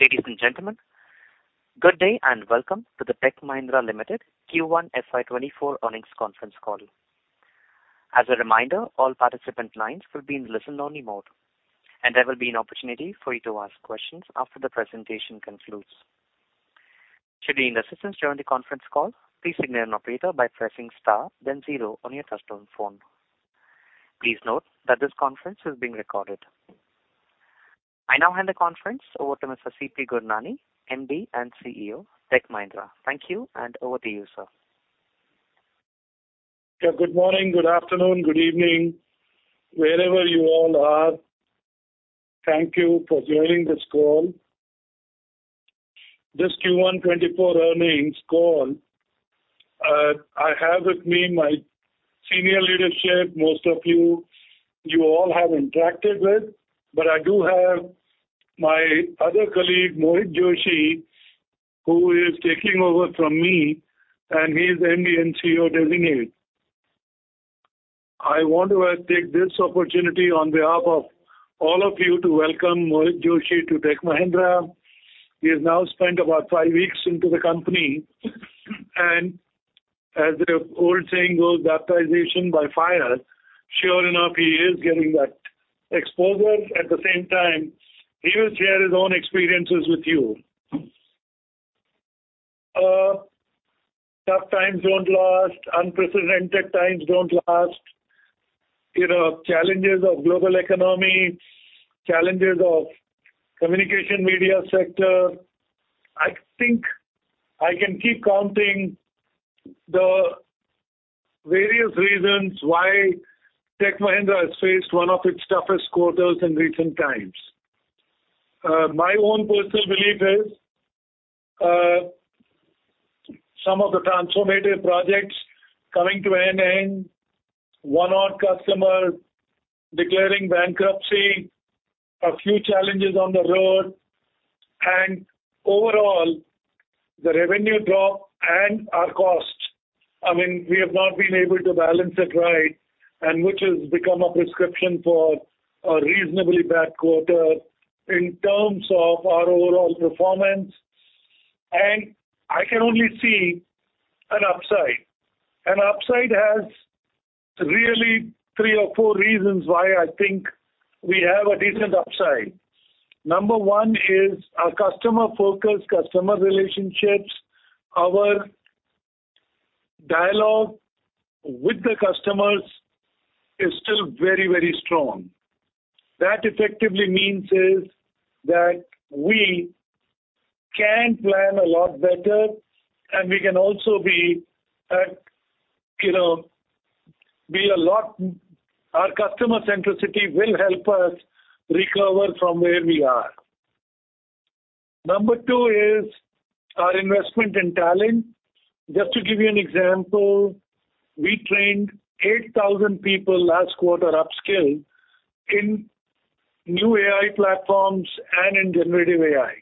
Ladies and gentlemen, good day, and welcome to the Tech Mahindra Limited Q1 FY24 earnings conference call. As a reminder, all participant lines will be in listen-only mode, and there will be an opportunity for you to ask questions after the presentation concludes. Should you need assistance during the conference call, please signal an operator by pressing star, then zero on your touchtone phone. Please note that this conference is being recorded. I now hand the conference over to Mr. CP Gurnani, MD and CEO, Tech Mahindra. Thank you, over to you, sir. Yeah, good morning, good afternoon, good evening, wherever you all are. Thank you for joining this call. This Q1 2024 earnings call, I have with me my senior leadership. Most of you all have interacted with, but I do have my other colleague, Mohit Joshi, who is taking over from me, and he's MD and CEO designate. I want to take this opportunity on behalf of all of you to welcome Mohit Joshi to Tech Mahindra. He has now spent about five weeks into the company, and as the old saying goes, baptism by fire. Sure enough, he is getting that exposure. At the same time, he will share his own experiences with you. Tough times don't last, unprecedented times don't last, you know, challenges of global economy, challenges of communication media sector. I think I can keep counting the various reasons why Tech Mahindra has faced one of its toughest quarters in recent times. My own personal belief is, some of the transformative projects coming to an end, one-off customers declaring bankruptcy, a few challenges on the road, and overall, the revenue drop and our costs. I mean, we have not been able to balance it right. Which has become a prescription for a reasonably bad quarter in terms of our overall performance. I can only see an upside. An upside has really three or four reasons why I think we have a decent upside. Number one is our customer focus, customer relationships. Our dialogue with the customers is still very, very strong. That effectively means is that we can plan a lot better, and we can also be, you know, Our customer centricity will help us recover from where we are. Number two is our investment in talent. Just to give you an example, we trained 8,000 people last quarter, upskill, in new AI platforms and in generative AI.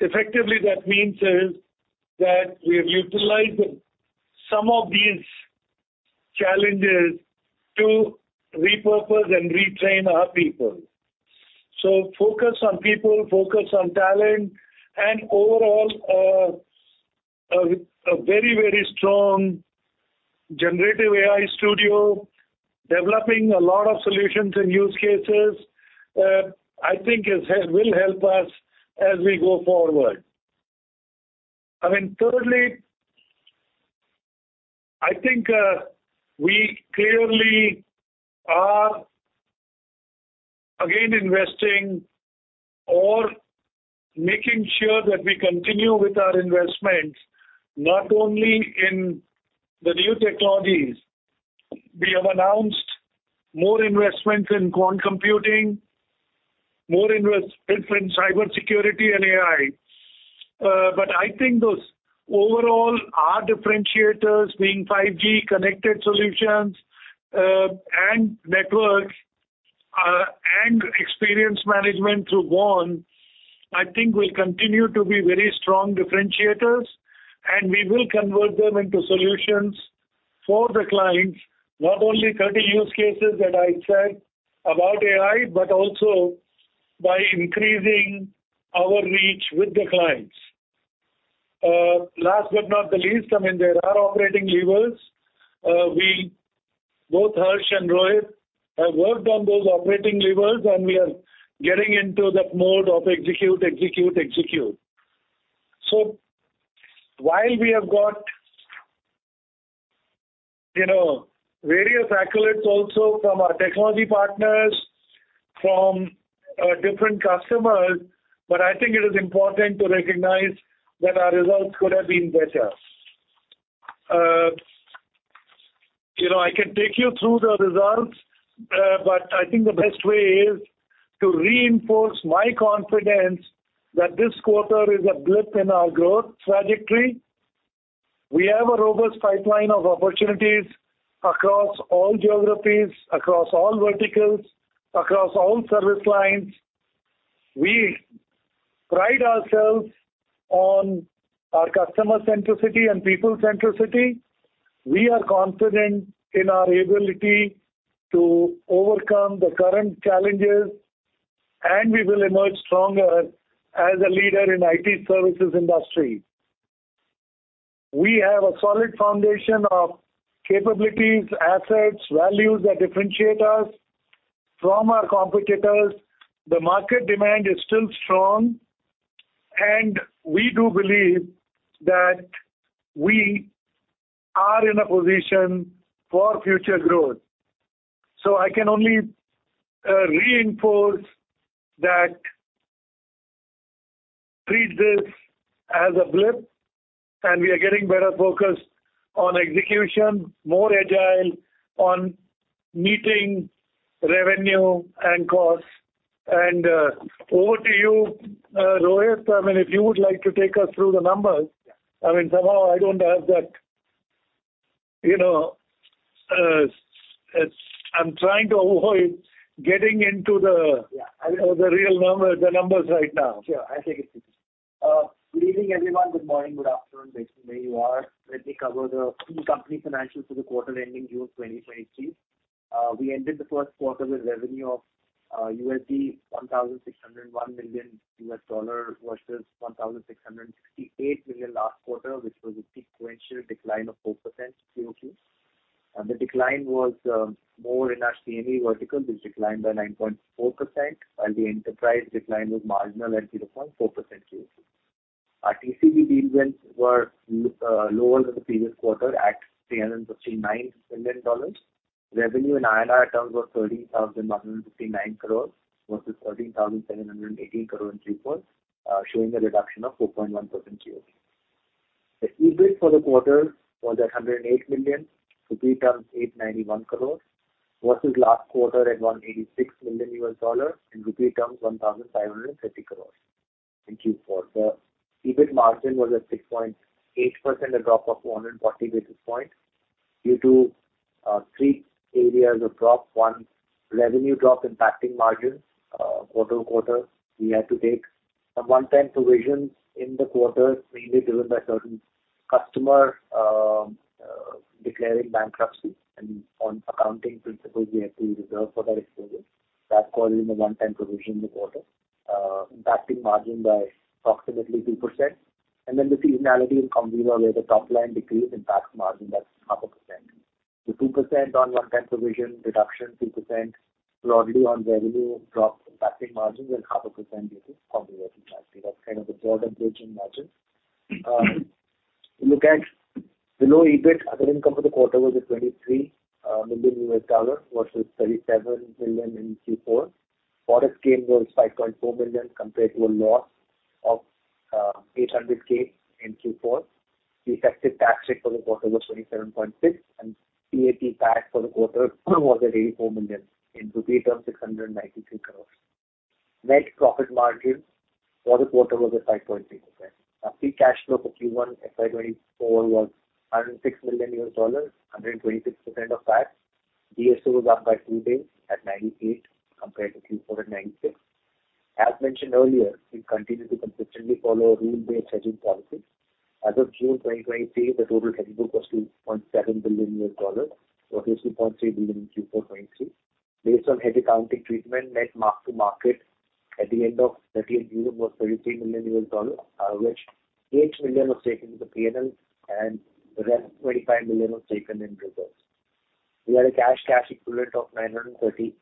Effectively, that means is that we have utilized some of these challenges to repurpose and retrain our people. Focus on people, focus on talent, and overall, a very, very strong Generative AI Studio, developing a lot of solutions and use cases, I think will help us as we go forward. I mean, thirdly, I think, we clearly are again investing or making sure that we continue with our investments, not only in the new technologies. I think those overall are differentiators being 5G-connected solutions and networks and experience management through BORN, I think will continue to be very strong differentiators, and we will convert them into solutions for the clients, not only 30 use cases that I said about AI, but also by increasing our reach with the clients. Last but not the least, I mean, there are operating levers. We, both Harsh and Rohit, have worked on those operating levers, and we are getting into that mode of execute, execute. While we have got, you know, various accolades also from our technology partners, from different customers, but I think it is important to recognize that our results could have been better. You know, I can take you through the results, I think the best way is to reinforce my confidence that this quarter is a blip in our growth trajectory. We have a robust pipeline of opportunities across all geographies, across all verticals, across all service lines. We pride ourselves on our customer centricity and people centricity. We are confident in our ability to overcome the current challenges, and we will emerge stronger as a leader in IT services industry. We have a solid foundation of capabilities, assets, values that differentiate us from our competitors. The market demand is still strong, and we do believe that we are in a position for future growth. I can only reinforce that treat this as a blip, and we are getting better focused on execution, more agile on meeting revenue and costs. Over to you, Rohit. I mean, if you would like to take us through the numbers. I mean, somehow I don't have that, you know, I'm trying to avoid getting into the- Yeah. the real number, the numbers right now. Sure, I'll take it. Good evening, everyone. Good morning, good afternoon, based on where you are. Let me cover the few company financials for the quarter ending June 2023. We ended the first quarter with revenue of $1,601 million, versus $1,668 million last quarter, which was a sequential decline of 4% QoQ. The decline was more in our CME vertical, which declined by 9.4%, while the enterprise decline was marginal at 0.4% QoQ. Our TCV deals were lower than the previous quarter at $359 million. Revenue in INR terms was 13,959 crores, versus 13,718 crore in Q4, showing a reduction of 4.1% QoQ. The EBIT for the quarter was at $108 million, rupee terms, 891 crores, versus last quarter at $186 million, in rupee terms, 1,550 crores in Q4. The EBIT margin was at 6.8%, a drop of 140 basis points due to three areas of drop. One. Revenue drop impacting margins. Quarter-to-quarter, we had to take some one-time provisions in the quarter, mainly driven by certain customer declaring bankruptcy, and on accounting principles, we had to reserve for that exposure. That caused a one-time provision in the quarter, impacting margin by approximately 2%. The seasonality in Cognizant, where the top line decreased, impacts margin by half a percent. The 2% on one-time provision reduction, 2% broadly on revenue drop, impacting margins, and half a percent due to cognitive impact. That's kind of the broad approach in margins. Look at the low EBIT. Other income for the quarter was at $23 million, versus $37 million in Q4. Forex gain was $5.4 million, compared to a loss of $800,000 in Q4. The effective tax rate for the quarter was 27.6%, and PAT back for the quarter was at $84 million, in rupee terms, 693 crores. Net profit margin for the quarter was at 5.3%. Our free cash flow for Q1 FY24 was $106 million, 126% of PAT. DSO was up by two days at 98, compared to Q4 at 96. As mentioned earlier, we continue to consistently follow a rule-based hedging policy. As of June 2023, the total hedge book was $2.7 billion, versus $2.3 billion in Q4 2023. Based on hedge accounting treatment, net mark to market at the end of 30 June was $33 million, which $8 million was taken to the P&L, and the rest, $25 million, was taken in reserves. We had a cash equivalent of $939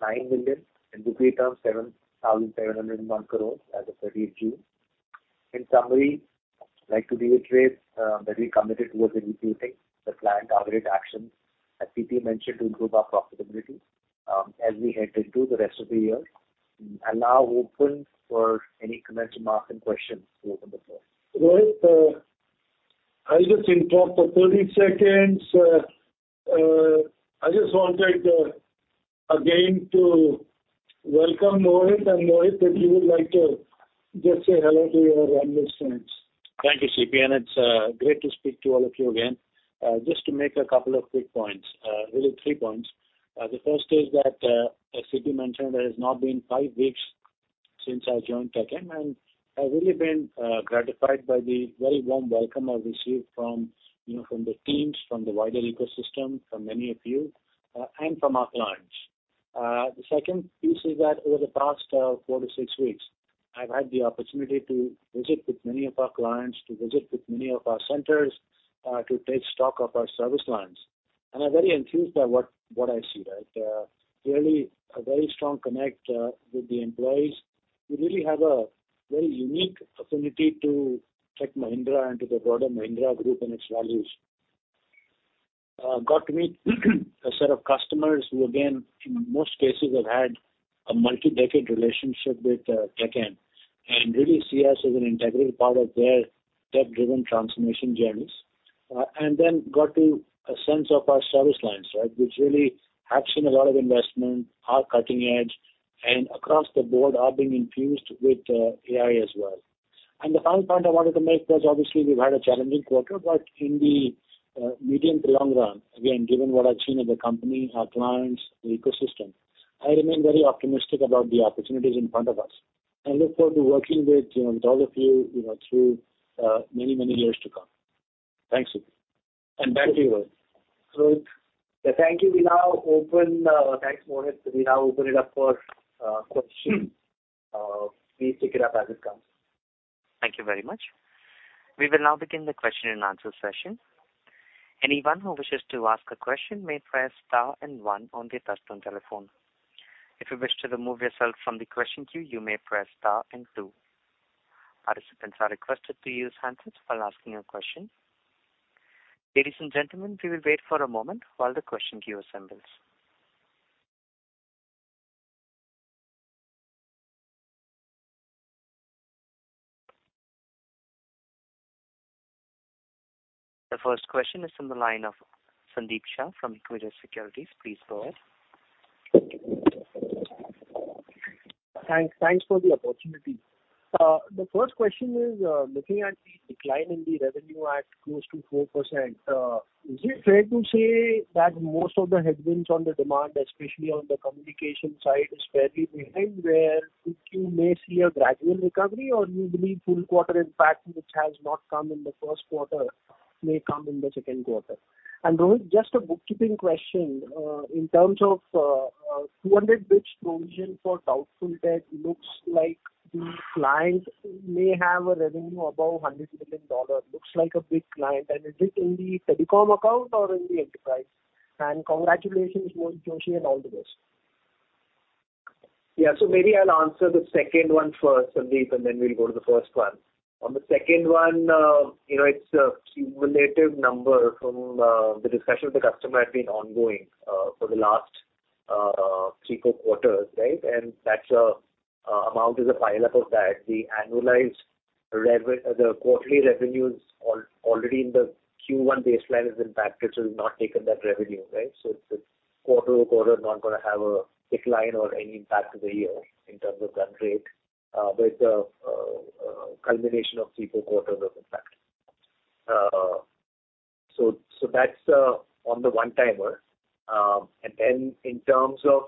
million, in rupee terms, 7,701 crores as of 30 June. In summary, I'd like to reiterate that we're committed towards executing the planned targeted actions, as CP mentioned, to improve our profitability, as we head into the rest of the year. I'm now open for any comments, remarks, and questions. Over to you, sir. Rohit, I'll just interrupt for 30 seconds. I just wanted again to welcome Rohit. Rohit, if you would like to just say hello to your analysts and- Thank you, CP. It's great to speak to all of you again. Just to make a couple of quick points, really three points. The first is that, as CP mentioned, there has now been five weeks since I joined Tech M, and I've really been gratified by the very warm welcome I've received from, you know, from the teams, from the wider ecosystem, from many of you, and from our clients. The second piece is that over the past 4-6 weeks, I've had the opportunity to visit with many of our clients, to visit with many of our centers, to take stock of our service lines. I'm very enthused by what I see, right? Really a very strong connect with the employees. We really have a very unique affinity to Tech Mahindra and to the broader Mahindra Group and its values. got to meet a set of customers who, again, in most cases, have had a multi-decade relationship with TechM, and really see us as an integral part of their tech-driven transformation journeys. got to a sense of our service lines, right, which really have seen a lot of investment, are cutting edge, and across the board, are being infused with AI as well. The final point I wanted to make was, obviously, we've had a challenging quarter, but in the medium to long run, again, given what I've seen of the company, our clients, the ecosystem, I remain very optimistic about the opportunities in front of us. I look forward to working with, you know, with all of you know, through many, many years to come. Thanks, and thank you. Thank you. We now open, thanks, Mohit. We now open it up for questions. Please take it up as it comes. Thank you very much. We will now begin the question and answer session. Anyone who wishes to ask a question may press star and one on their touch-tone telephone. If you wish to remove yourself from the question queue, you may press star and two. Participants are requested to use handsets while asking a question. Ladies and gentlemen, we will wait for a moment while the question queue assembles. The first question is from the line of Sandeep Shah from Equirus Securities. Please go ahead. Thanks, thanks for the opportunity. The first question is, looking at the decline in the revenue at close to 4%, is it fair to say that most of the headwinds on the communication side is fairly behind, where you may see a gradual recovery, or you believe full quarter impact, which has not come in the first quarter, may come in the second quarter? Rohit, just a bookkeeping question. In terms of 200 basis points provision for doubtful debt, looks like the client may have a revenue above $100 million. Looks like a big client, is it in the telecom account or in the enterprise? Congratulations, Mohit Joshi, and all the best. Yeah. Maybe I'll answer the second one first, Sandeep. Then we'll go to the first one. On the second one, you know, it's a cumulative number from the discussion with the customer had been ongoing for the last three, four quarters, right? That amount is a pileup of that. The annualized quarterly revenues already in the Q1 baseline is impacted, so we've not taken that revenue, right? It's quarter-over-quarter, not gonna have a decline or any impact to the year in terms of that rate. The culmination of three, four quarters of impact. That's on the one-timer. Then in terms of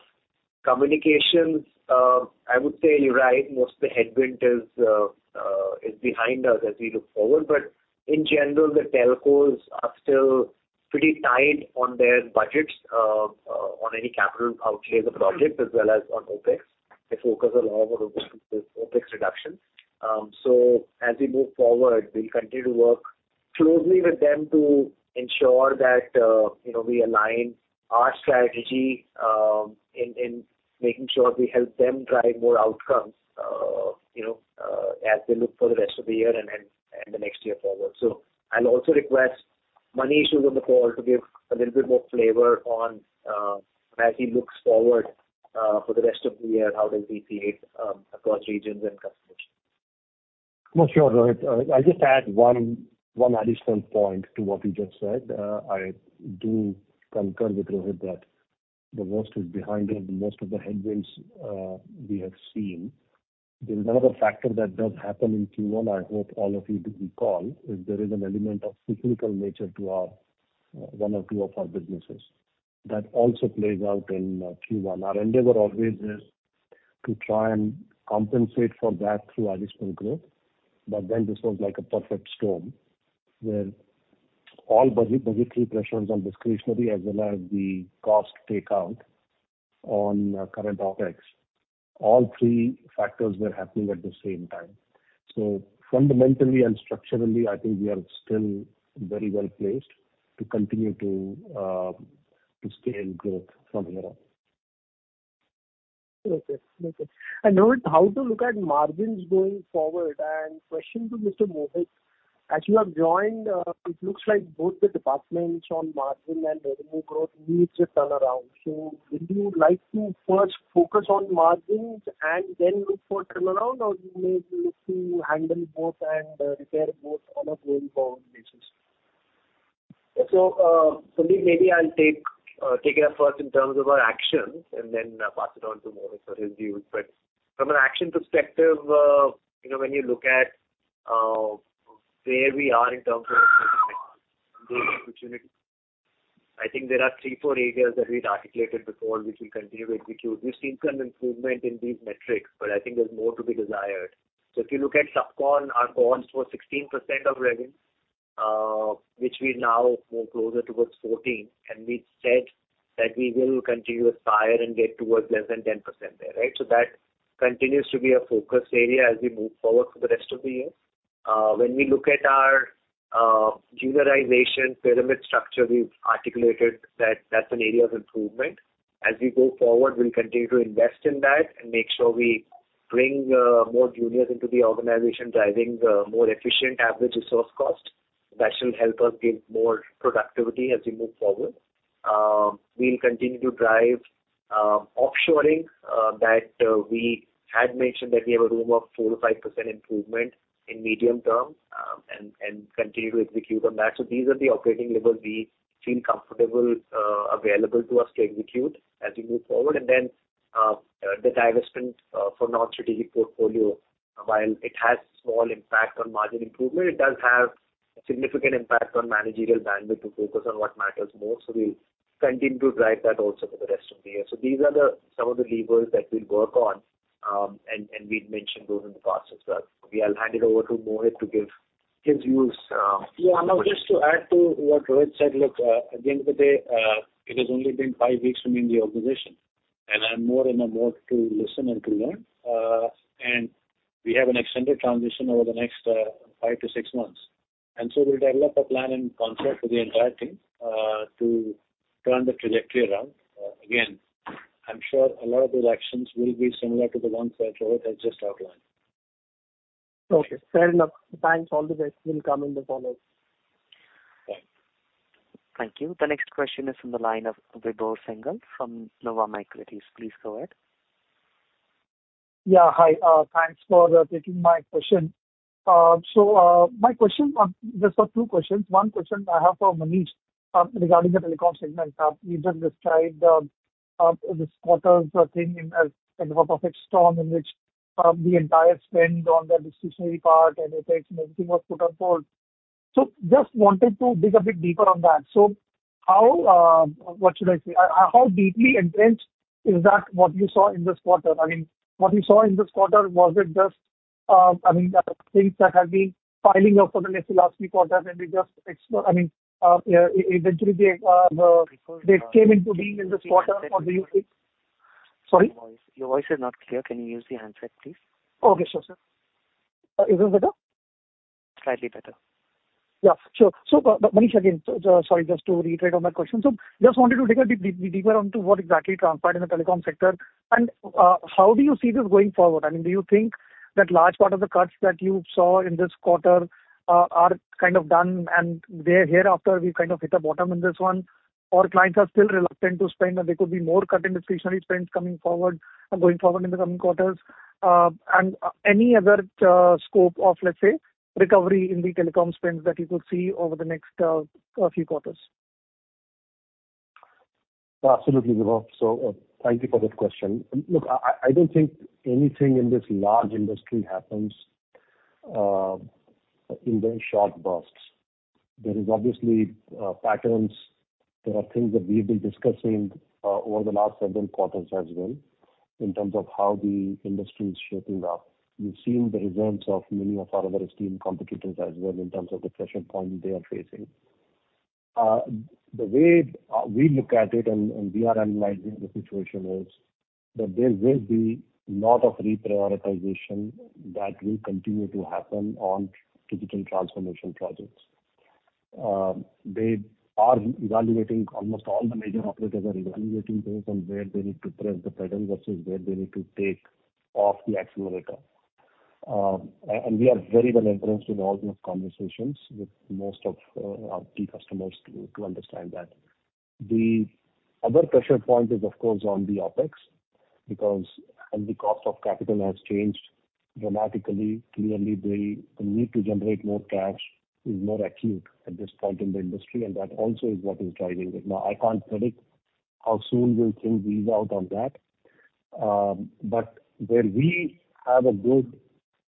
communications, I would say you're right, most of the headwind is behind us as we look forward. In general, the telcos are still pretty tight on their budgets on any capital outlay as a project, as well as on OpEx. They focus a lot on OpEx reduction. As we move forward, we'll continue to work closely with them to ensure that, you know, we align our strategy in making sure we help them drive more outcomes, you know, as we look for the rest of the year and then, and the next year forward. I'll also request Manish, who's on the call, to give a little bit more flavor on as he looks forward for the rest of the year, how does he see it across regions and customers? Well, sure, Rohit. I'll just add one additional point to what you just said. I do concur with Rohit that the worst is behind us, most of the headwinds we have seen. There is another factor that does happen in Q1, I hope all of you do recall, is there is an element of cyclical nature to our one or two of our businesses. That also plays out in Q1. Our endeavor always is to try and compensate for that through additional growth. This was like a perfect storm, where all budgetary pressures on discretionary as well as the cost takeout on current OpEx, all three factors were happening at the same time. Fundamentally and structurally, I think we are still very well placed to continue to scale growth from here on. Okay, okay. Rohit, how to look at margins going forward? Question to Mr. Mohit, as you have joined, it looks like both the departments on margin and revenue growth needs a turnaround. Would you like to first focus on margins and then look for turnaround, or you may look to handle both and repair both on a going-forward basis? So, uh, Sandeep, maybe I'll take it up first in terms of our actions and then pass it on to Mohit for his view. You know, when you look at where we are in terms of I think there are three, four areas that we've articulated before, which we continue to execute. We've seen some improvement in these metrics, but I think there's more to be desired. If you look at subcon, our cons were 16% of revenue, which we now move closer towards 14, and we said that we will continue to aspire and get towards less than 10% there, right? That continues to be a focus area as we move forward for the rest of the year. When we look at our juniorization pyramid structure, we've articulated that that's an area of improvement. As we go forward, we'll continue to invest in that and make sure we bring more juniors into the organization, driving more efficient average resource cost. That should help us gain more productivity as we move forward. We'll continue to drive offshoring that we had mentioned that we have a room of 4%-5% improvement in medium term. Continue to execute on that. These are the operating levers we feel comfortable available to us to execute as we move forward. The divestment for non-strategic portfolio, while it has small impact on margin improvement, it does have significant impact on managerial bandwidth to focus on what matters more. We'll continue to drive that also for the rest of the year. These are some of the levers that we'll work on, and we've mentioned those in the past as well. I'll hand it over to Mohit to give you his. Yeah. I want just to add to what Rohit said. Look, at the end of the day, it has only been 5 weeks from in the organization, and I'm more in a mode to listen and to learn. We have an extended transition over the next 5-6 months. We'll develop a plan and consult with the entire team, to turn the trajectory around. Again, I'm sure a lot of those actions will be similar to the ones that Rohit has just outlined. Okay, fair enough. Thanks. All the best. We'll come in the follow-up. Thank you. The next question is from the line of Vibhor Singhal from Nuvama Equities. Please go ahead. Yeah, hi. Thanks for taking my question. My question, just have two questions. One question I have for Manish regarding the telecom segment. You just described this quarter's thing in as a perfect storm, in which the entire spend on the discretionary part and CapEx and everything was put on hold. Just wanted to dig a bit deeper on that. How, what should I say? How deeply entrenched is that what you saw in this quarter? I mean, what you saw in this quarter, was it just, I mean, things that have been piling up for the last three quarters, and it just I mean, eventually, they came into being in this quarter or do you think... Sorry? Your voice is not clear. Can you use the handset, please? Okay, sure, Sir. Is it better? Slightly better. Yeah, sure. Manish, again, sorry, just to reiterate on my question. Just wanted to dig a bit deeper on to what exactly transpired in the telecom sector, and, how do you see this going forward? I mean, do you think that large part of the cuts that you saw in this quarter, are kind of done, and they hereafter, we've kind of hit a bottom in this one? Or clients are still reluctant to spend, and there could be more cut in discretionary spends going forward in the coming quarters? Any other, scope of, let's say, recovery in the telecom spends that you could see over the next, few quarters? Absolutely, Vibhor. Thank you for that question. Look, I don't think anything in this large industry happens in very short bursts. There is obviously patterns. There are things that we've been discussing over the last several quarters as well, in terms of how the industry is shaping up. We've seen the results of many of our other esteemed competitors as well in terms of the pressure point they are facing. The way we look at it and we are analyzing the situation is, that there will be lot of reprioritization that will continue to happen on digital transformation projects. They are evaluating, almost all the major operators are evaluating things on where they need to press the pedal versus where they need to take off the accelerator. We are very well entrenched in all those conversations with most of our key customers to understand that. The other pressure point is, of course, on the OpEx, because and the cost of capital has changed dramatically. Clearly, the need to generate more cash is more acute at this point in the industry, and that also is what is driving it. Now, I can't predict how soon will things ease out on that. Where we have a good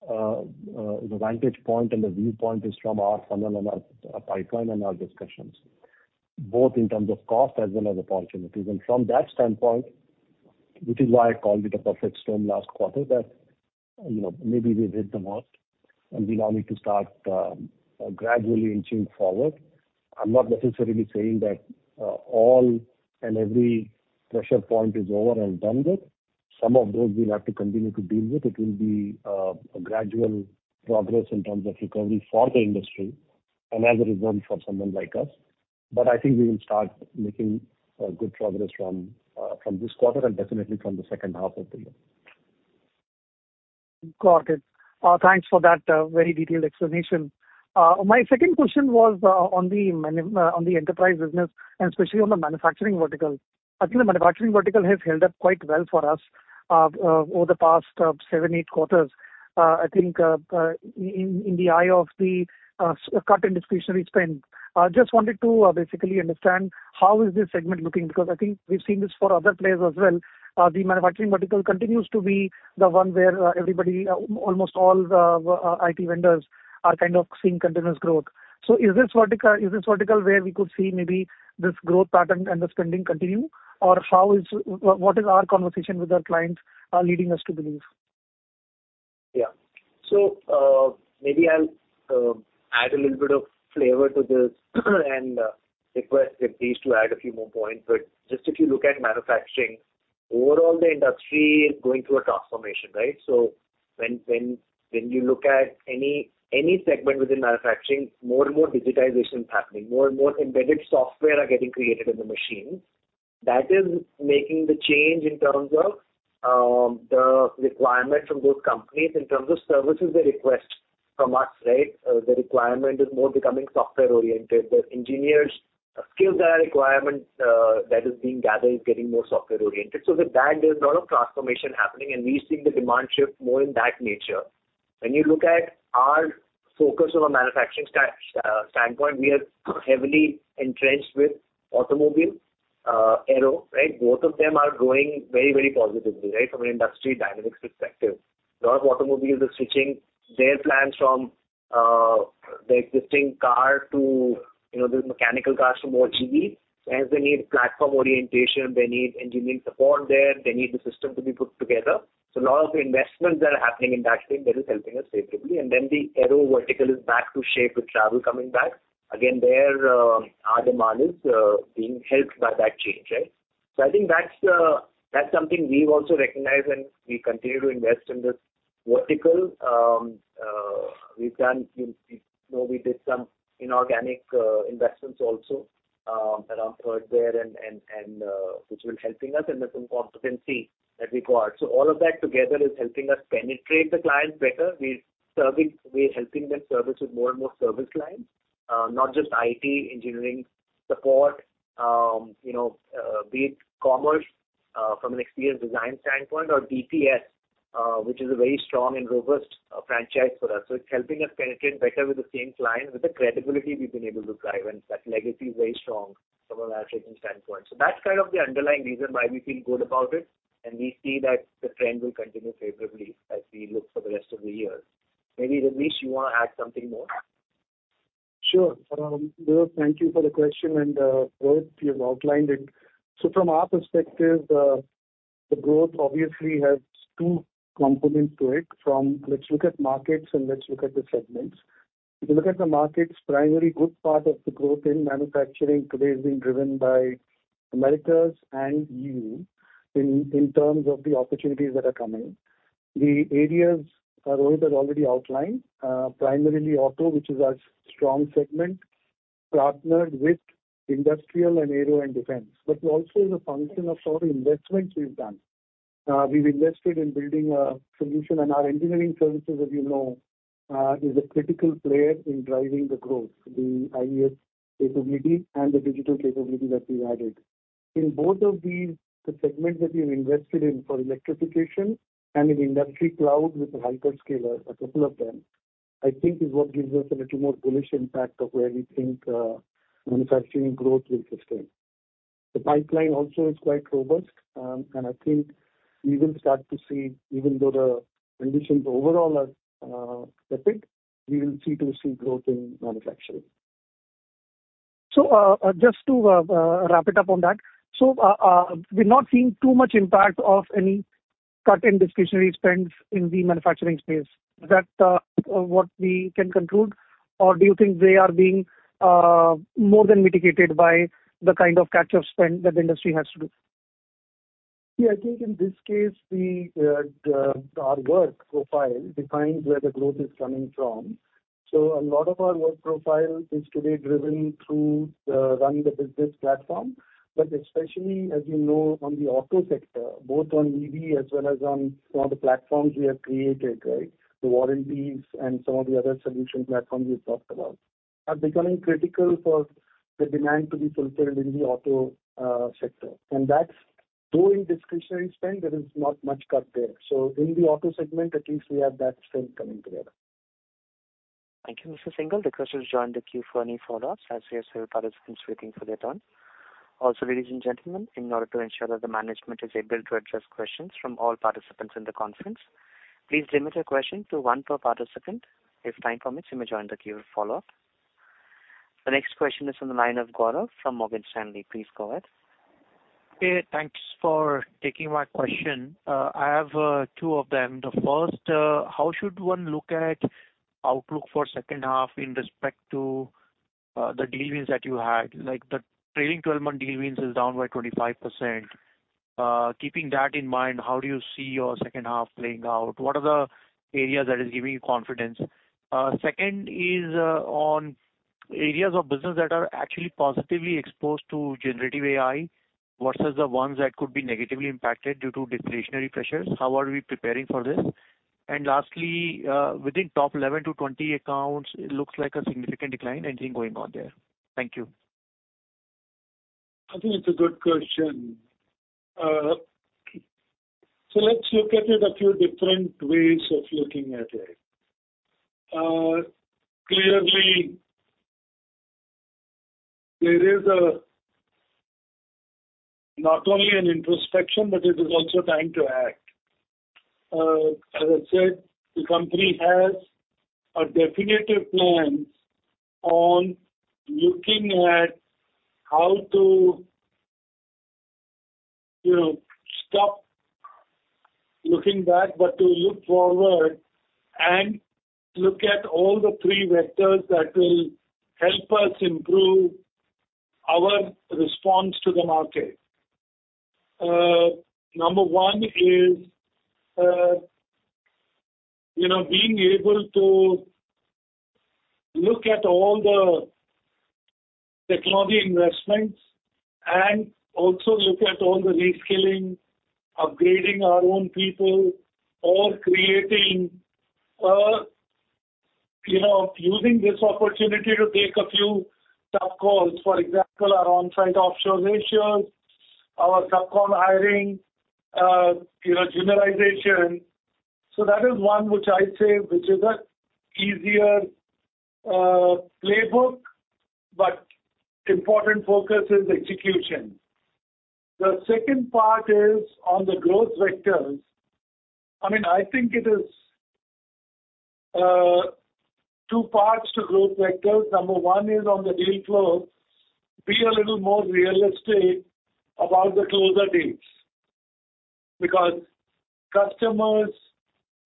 vantage point and the viewpoint is from our funnel and our pipeline and our discussions, both in terms of cost as well as opportunities. From that standpoint, which is why I called it a perfect storm last quarter, that, you know, maybe we hit the mark and we now need to start gradually inching forward. I'm not necessarily saying that all and every pressure point is over and done with. Some of those we'll have to continue to deal with. It will be a gradual progress in terms of recovery for the industry and as a result, for someone like us. I think we will start making good progress from this quarter and definitely from the second half of the year. Got it. Thanks for that very detailed explanation. My second question was on the enterprise business, and especially on the manufacturing vertical. I think the manufacturing vertical has held up quite well for us over the past seven, eight quarters. I think in the eye of the cut in discretionary spend. Just wanted to basically understand how is this segment looking? Because I think we've seen this for other players as well. The manufacturing vertical continues to be the one where everybody almost all the IT vendors are kind of seeing continuous growth. So is this vertical where we could see maybe this growth pattern and the spending continue? Or how is... What is our conversation with our clients leading us to believe? Maybe I'll add a little bit of flavor to this, and request Vibhor to add a few more points. Just if you look at manufacturing, overall, the industry is going through a transformation, right. When you look at any segment within manufacturing, more and more digitization is happening. More and more embedded software are getting created in the machine. That is making the change in terms of the requirement from those companies in terms of services they request from us, right. The requirement is more becoming software-oriented. The engineers' skills that are requirement, that is being gathered is getting more software-oriented. With that, there's a lot of transformation happening, and we've seen the demand shift more in that nature. When you look at our focus from a manufacturing standpoint, we are heavily entrenched with automobile, aero, right? Both of them are gRoWing very, very positively, right, from an industry dynamics perspective. Lot of automobiles are switching their plans from the existing car to, you know, the mechanical cars to more EV. As they need platform orientation, they need engineering support there, they need the system to be put together. A lot of the investments that are happening in that space, that is helping us favorably. The aero vertical is back to shape, with travel coming back. Our demand is being helped by that change, right? I think that's something we've also recognized, and we continue to invest in this vertical. We've done, you know, we did some inorganic investments also, around Thirdware which will helping us in the same competency that we got. All of that together is helping us penetrate the clients better. We're helping them service with more and more service lines, not just IT engineering support, you know, be it commerce from an experience design standpoint or BPS, which is a very strong and robust franchise for us. It's helping us penetrate better with the same client, with the credibility we've been able to drive, and that legacy is very strong from a manufacturing standpoint. That's kind of the underlying reason why we feel good about it, and we see that the trend will continue favorably as we look for the rest of the year. Maybe, Jagdish, you want to add something more? Sure. Thank you for the question, and Rohit, you've outlined it. From our perspective, the growth obviously has two components to it, from let's look at markets and let's look at the segments. If you look at the markets, primary good part of the growth in manufacturing today is being driven by Americas and EU, in terms of the opportunities that are coming. The areas Rohit has already outlined, primarily auto, which is our strong segment, partnered with industrial and Aero and Defense, but also the function of all investments we've done. We've invested in building a solution, and our engineering services, as you know, is a critical player in driving the growth, the IES capability and the digital capability that we've added. In both of these, the segments that we've invested in for electrification and in industry cloud with hyperscaler, a couple of them, I think is what gives us a little more bullish impact of where we think manufacturing growth will sustain. The pipeline also is quite robust, and I think we will start to see, even though the conditions overall are epic, we will see growth in manufacturing. Just to wrap it up on that. We're not seeing too much impact of any cut in discretionary spends in the manufacturing space. Is that what we can conclude? Do you think they are being more than mitigated by the kind of catch-up spend that the industry has to do? Yeah, I think in this case, our work profile defines where the growth is coming from. Especially, as you know, on the auto sector, both on EV as well as on some of the platforms we have created, right? The warranties and some of the other solution platforms we've talked about, are becoming critical for the demand to be fulfilled in the auto sector. That's though in discretionary spend, there is not much cut there. In the auto segment, at least we have that strength coming together. Thank you, Mr. Singhal. The question has joined the queue for any follow-ups, as we have several participants waiting for their turn. Also, ladies and gentlemen, in order to ensure that the management is able to address questions from all participants in the conference, please limit your question to one per participant. If time permits, you may join the queue to follow up. The next question is on the line of Gaurav from Morgan Stanley. Please go ahead. Hey, thanks for taking my question. I have two of them. The first, how should one look at outlook for second half in respect to the deal wins that you had? Like, the trailing 12-month deal wins is down by 25%. Keeping that in mind, how do you see your second half playing out? What are the areas that is giving you confidence? Second is on areas of business that are actually positively exposed to generative AI versus the ones that could be negatively impacted due to discretionary pressures. How are we preparing for this? Lastly, within top 11-20 accounts, it looks like a significant decline. Anything going on there? Thank you. I think it's a good question. Let's look at it a few different ways of looking at it. Clearly, there is a not only an introspection, but it is also time to act. As I said, the company has a definitive plan on looking at how to, you know, stop looking back, but to look forward and look at all the three vectors that will help us improve our response to the market. Number one is, you know, being able to look at all the technology investments and also look at all the reskilling, upgrading our own people, or creating, you know, using this opportunity to take a few tough calls. For example, our on-site offshore ratios, our subcon hiring, you know, generalization. That is one which I'd say, which is a easier playbook, but important focus is execution. The second part is on the growth vectors. I mean, I think it is, two parts to growth vectors. Number one is on the deal flow. Be a little more realistic about the closer dates, because customers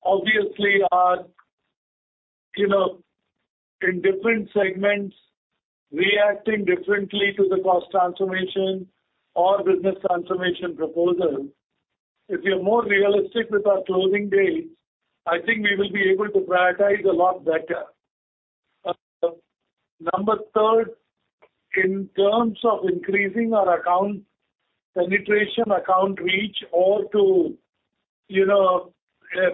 obviously are, you know, in different segments, reacting differently to the cost transformation or business transformation proposal. If we are more realistic with our closing dates, I think we will be able to prioritize a lot better. Number third, in terms of increasing our account penetration, account reach, or to, you know,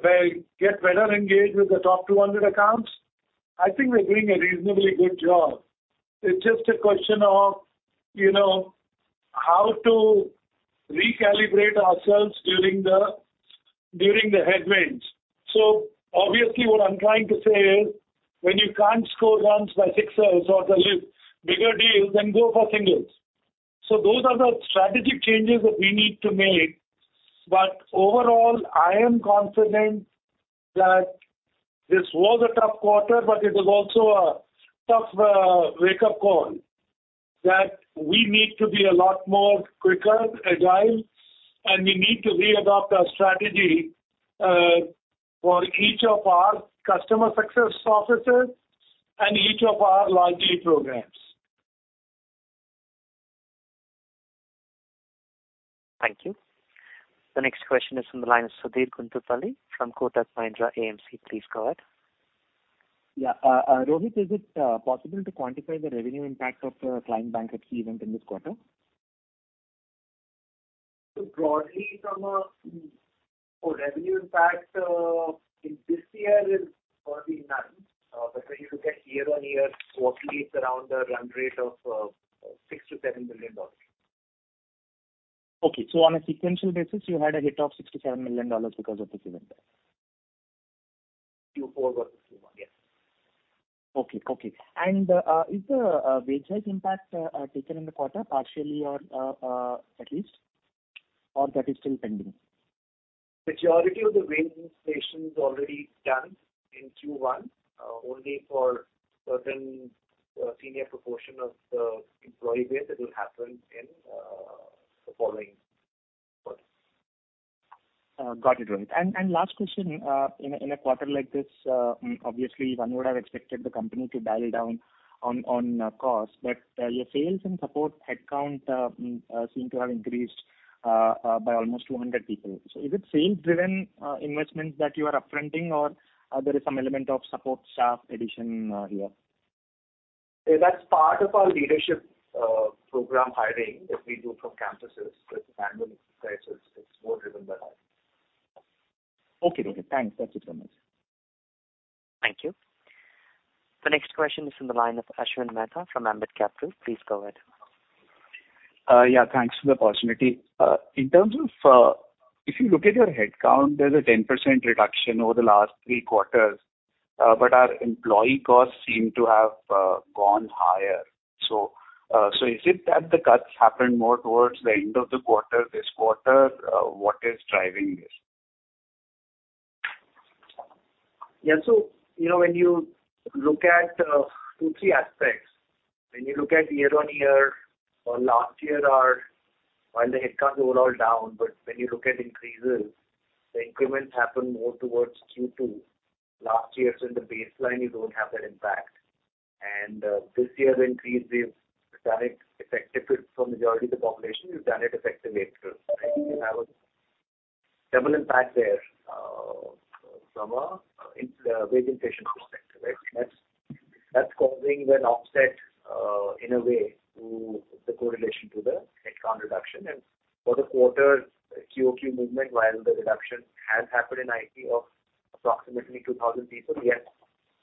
by get better engaged with the top 200 accounts, I think we're doing a reasonably good job. It's just a question of, you know, how to recalibrate ourselves during the headwinds. Obviously, what I'm trying to say is, when you can't score runs by sixes or deliver bigger deals, then go for singles. Those are the strategic changes that we need to make. Overall, I am confident that this was a tough quarter, but it is also a tough wake-up call, that we need to be a lot more quicker, agile, and we need to re-adopt our strategy for each of our customer success officers and each of our large deal programs. Thank you. The next question is from the line of Sudheer Guntupalli from Kotak Mahindra AMC. Please go ahead. Yeah. Rohit, is it possible to quantify the revenue impact of the client bankruptcy event in this quarter? Broadly, for revenue impact, in this year is probably none. But when you look at year-on-year quarterly, it's around a run rate of $6 million-$7 million. Okay. On a sequential basis, you had a hit of $6 million-$7 million because of this event? Q4 versus Q1, yes. Okay. Okay. Is the wage hike impact taken in the quarter, partially or at least, or that is still pending? Majority of the wage inflation is already done in Q1, only for certain senior proportion of the employee base. It will happen in the following quarters. Got it, Rohit. Last question: in a quarter like this, obviously one would have expected the company to dial down on costs, but your sales and support headcount seem to have increased by almost 200 people. So, is it sales-driven investments that you are upfronting, or are there is some element of support staff addition here? That's part of our leadership program hiring that we do from campuses. It's random exercises. It's more driven by that. Okay. Okay, thanks. That's it from us. Thank you. The next question is from the line of Ashwin Mehta from Ambit Capital. Please go ahead. Yeah, thanks for the opportunity. In terms of, if you look at your headcount, there's a 10% reduction over the last three quarters, but our employee costs seem to have gone higher. Is it that the cuts happened more towards the end of the quarter, this quarter? What is driving this? Yeah. you know, when you look at two, three aspects, when you look at year-on-year or last year, while the headcounts were all down, but when you look at increases, the increments happen more towards Q2. Last year, in the baseline, you don't have that impact. This year's increase, we've done it for majority of the population, we've done it effective April. You have a double impact there, from a wage inflation perspective, right? That's causing an offset, in a way, to the correlation to the headcount reduction. For the quarter, QoQ movement, while the reduction has happened in IT of approximately 2,000 people, yet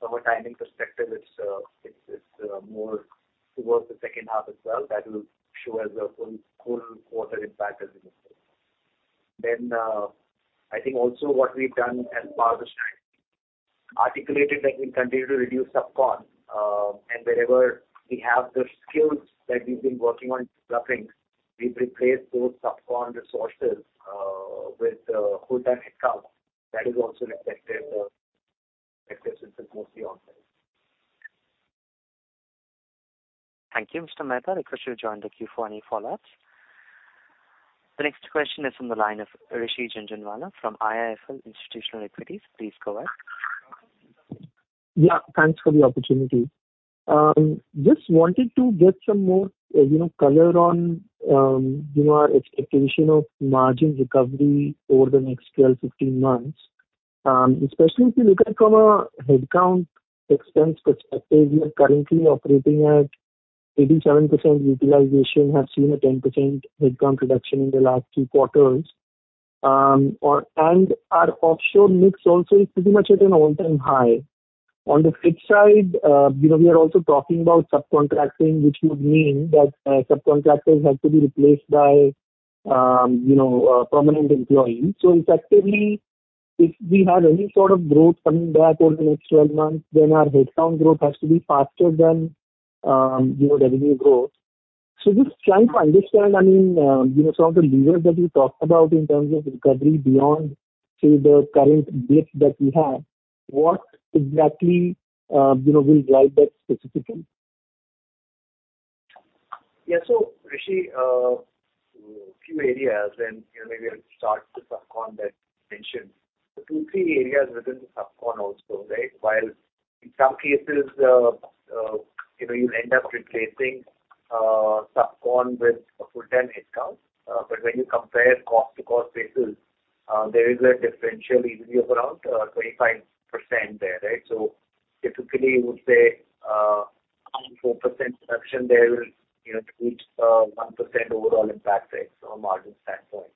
from a timing perspective, it's more towards the second half as well. That will show us the full quarter impact as in this case. I think also what we've done as part of the strategy, articulated that we continue to reduce subcon. Wherever we have the skills that we've been working on upfronting, we replace those subcon resources with full-time headcount. That is also reflected since it's mostly onsite. Thank you, Mr. Mehta. We request you to join the Q for any follow-ups. The next question is from the line of Rishi Jhunjhunwala from IIFL Institutional Equities. Please go ahead. Yeah, thanks for the opportunity. Just wanted to get some more, you know, color on, you know, our expectation of margin recovery over the next 12, 15 months. Especially if you look at from a headcount expense perspective, we are currently operating at 87% utilization. Have seen a 10% headcount reduction in the last two quarters. Our offshore mix also is pretty much at an all-time high. On the fixed side, you know, we are also talking about subcontracting, which would mean that subcontractors have to be replaced by, you know, permanent employees. Effectively, if we have any sort of growth coming back over the next 12 months, then our headcount growth has to be faster than, you know, revenue growth. Just trying to understand, I mean, you know, some of the levers that you talked about in terms of recovery beyond, say, the current dip that we have, what exactly, you know, will drive that specifically? Yeah. Rishi, few areas and, you know, maybe I'll start with subcon that you mentioned. The two, three areas within the subcon also, right? While in some cases, you know, you'll end up replacing subcon with a full-time headcount. But when you compare cost to cost basis, there is a differential easily of around 25% there, right? Typically, you would say, 4% reduction there will, you know, to reach 1% overall impact, right, on margin standpoint.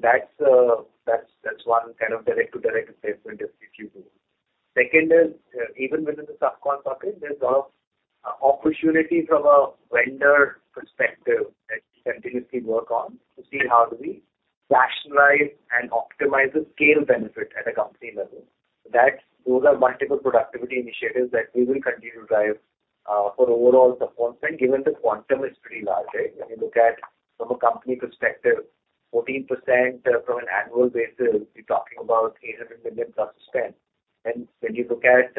That's one kind of direct-to-direct replacement if you do. Second is, even within the subcon topic, there's a lot of opportunity from a vendor perspective that we continuously work on to see how do we rationalize and optimize the scale benefit at a company level. Those are multiple productivity initiatives that we will continue to drive for overall performance, and given the quantum is pretty large, right? When you look at from a company perspective, 14% from an annual basis, you're talking about $800 million plus spend. When you look at,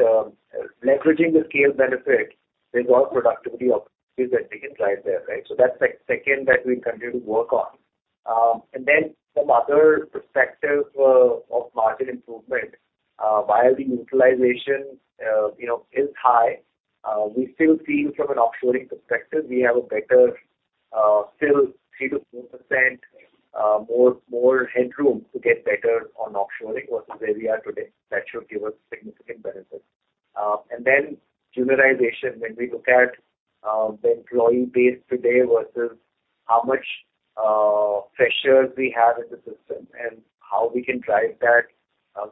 leveraging the scale benefit, there's a lot of productivity opportunities that we can drive there, right? That's the second that we continue to work on. Then some other perspectives of margin improvement, while the utilization, you know, is high, we still feel from an offshoring perspective, we have a better, still 3%-4% more headroom to get better on offshoring versus where we are today. That should give us significant benefits. Juniorization, when we look at the employee base today versus how much pressures we have in the system and how we can drive that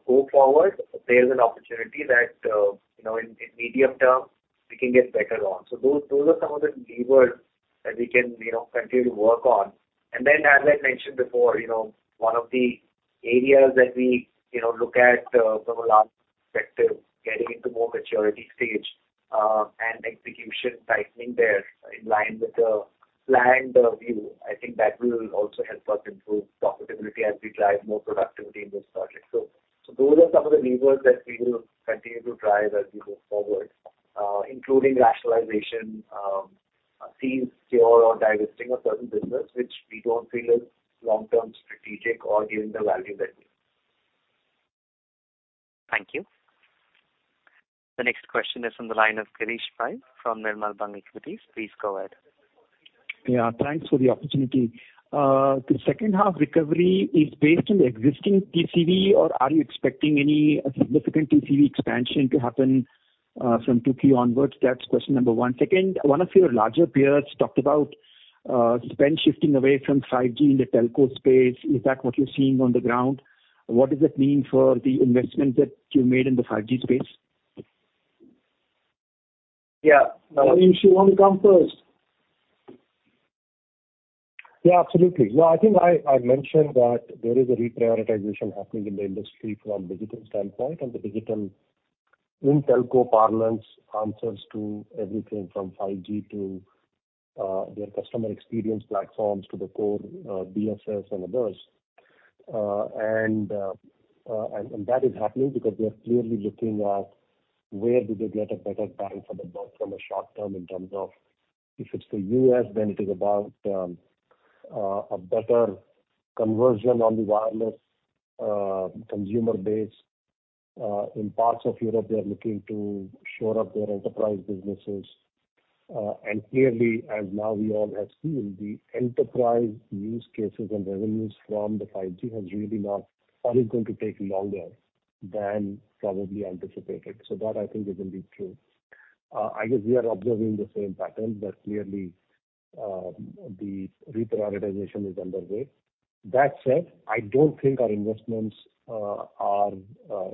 go forward, there's an opportunity that, you know, in medium term, we can get better on. Those are some of the levers that we can, you know, continue to work on. As I mentioned before, you know, one of the areas that we, you know, look at from a large perspective, getting into more maturity stage and execution tightening there in line with the planned view. I think that will also help us improve profitability as we drive more productivity in this project. Those are some of the levers that we will continue to drive as we move forward, including rationalization, a fix/cure or divesting of certain business, which we don't feel is long-term strategic or giving the value that we need. Thank you. The next question is from the line of Girish Pai from Nirmal Bang Equities. Please go ahead. Yeah, thanks for the opportunity. The second half recovery is based on the existing TCV, or are you expecting any significant TCV expansion to happen from 2Q onwards? That's question number one. Second, one of your larger peers talked about spend shifting away from 5G in the telco space. Is that what you're seeing on the ground? What does that mean for the investment that you made in the 5G space? Yeah. Manish, you want to come first? Yeah, absolutely. No, I think I mentioned that there is a reprioritization happening in the industry from a digital standpoint. The digital in telco parlance answers to everything from 5G to their customer experience platforms, to the core BSS and others. That is happening because they are clearly looking at where do they get a better bang for the buck from a short term in terms of if it's the U.S., then it is about a better conversion on the wireless consumer base. In parts of Europe, they are looking to shore up their enterprise businesses. Clearly, as now we all have seen, the enterprise use cases and revenues from the 5G has really not, or is going to take longer than probably anticipated. That I think is indeed true. I guess we are observing the same pattern, but clearly, the reprioritization is underway. That said, I don't think our investments are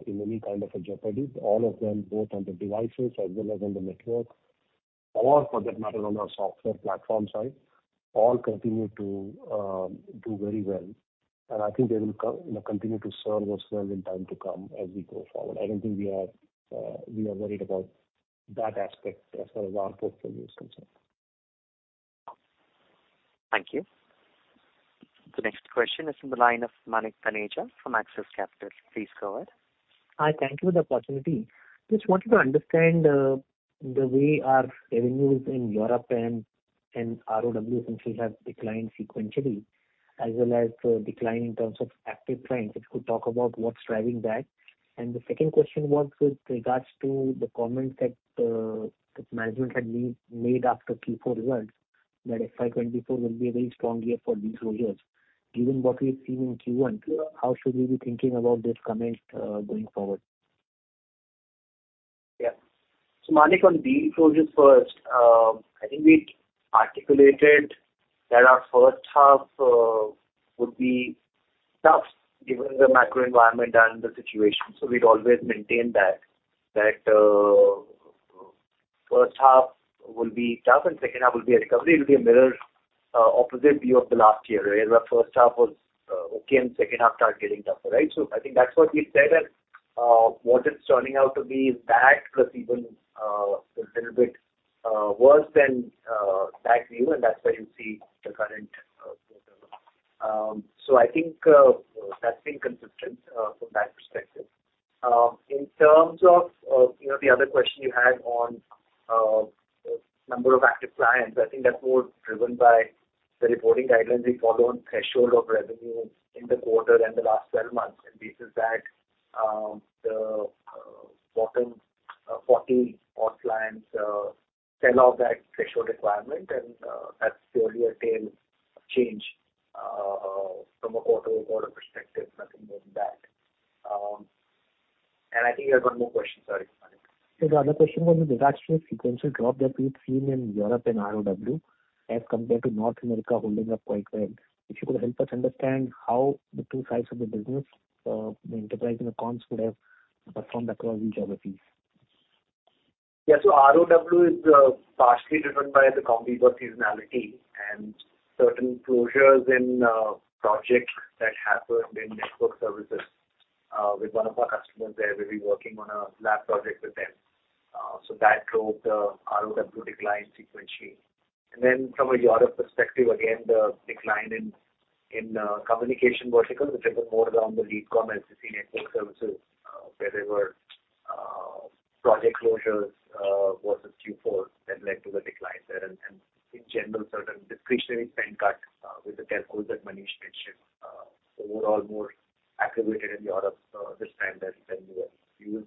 in any kind of a jeopardy. All of them, both on the devices as well as on the network, or for that matter, on our software platform side, all continue to do very well. I think they will come, you know, continue to serve us well in time to come as we go forward. I don't think we are worried about that aspect as far as our portfolio is concerned. Thank you. The next question is from the line of Manik Taneja from Axis Capital. Please go ahead. Hi, thank you for the opportunity. Just wanted to understand, the way our revenues in Europe and RoW essentially have declined sequentially, as well as the decline in terms of active clients. If you could talk about what's driving that? The second question was with regards to the comments that management had made after Q4 results, that FY24 will be a very strong year for deal closures, given what we've seen in Q1, how should we be thinking about this comment going forward? Yeah. Manik, on deal closures first, I think we articulated that our first half would be tough given the macro environment and the situation. We'd always maintained that first half will be tough and second half will be a recovery. It will be a mirror opposite view of the last year, where the first half was okay, and second half started getting tougher, right? I think that's what we said, and what it's turning out to be is that plus even a little bit worse than that view, and that's why you see the current quarter. I think that's been consistent from that perspective. In terms of, you know, the other question you had on number of active clients, I think that's more driven by the reporting guidelines we follow on threshold of revenue in the quarter and the last 12 months. This is that, the bottom 40 odd clients sell off that threshold requirement, and that's purely a tail change from a quarter-over-quarter perspective, nothing more than that. I think you had one more question. Sorry, Manik. The other question was, there's actually a sequential drop that we've seen in Europe and RoW as compared to North America holding up quite well. If you could help us understand how the two sides of the business, the enterprise and accounts would have performed across each geographies? RoW is partially driven by the Comviva seasonality and certain closures in projects that happened in network services with one of our customers there. We'll be working on a lab project with them. That drove the RoW to decline sequentially. From a Europe perspective, again, the decline in communication vertical, which is more around the Leadcom as you see network services, where there were project closures versus Q4, that led to the decline there. In general, certain discretionary spend cut with the telcos that Manish mentioned, overall more aggravated in Europe this time than we were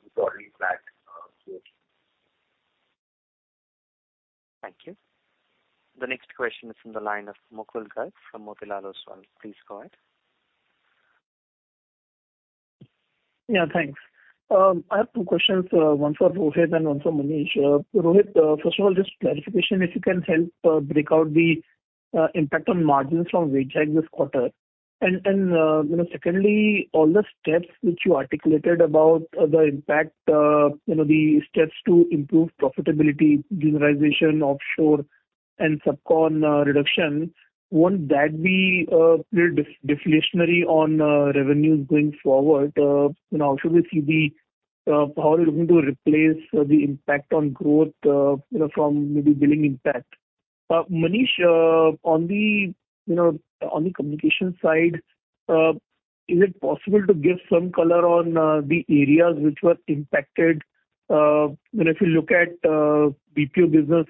previously back Q4. Thank you. The next question is from the line of Mukul Garg from Motilal Oswal. Please go ahead. Yeah, thanks. I have two questions, one for Rohit and one for Manish. Rohit, first of all, just clarification, if you can help break out the impact on margins from wage hike this quarter. Secondly, all the steps which you articulated about the impact, you know, the steps to improve profitability, generalization, offshore and subcon reduction, won't that be pretty deflationary on revenues going forward? You know, how should we see the how you're looking to replace the impact on growth, you know, from maybe billing impact? Manish, on the, you know, on the communication side, is it possible to give some color on the areas which were impacted? You know, if you look at BPO business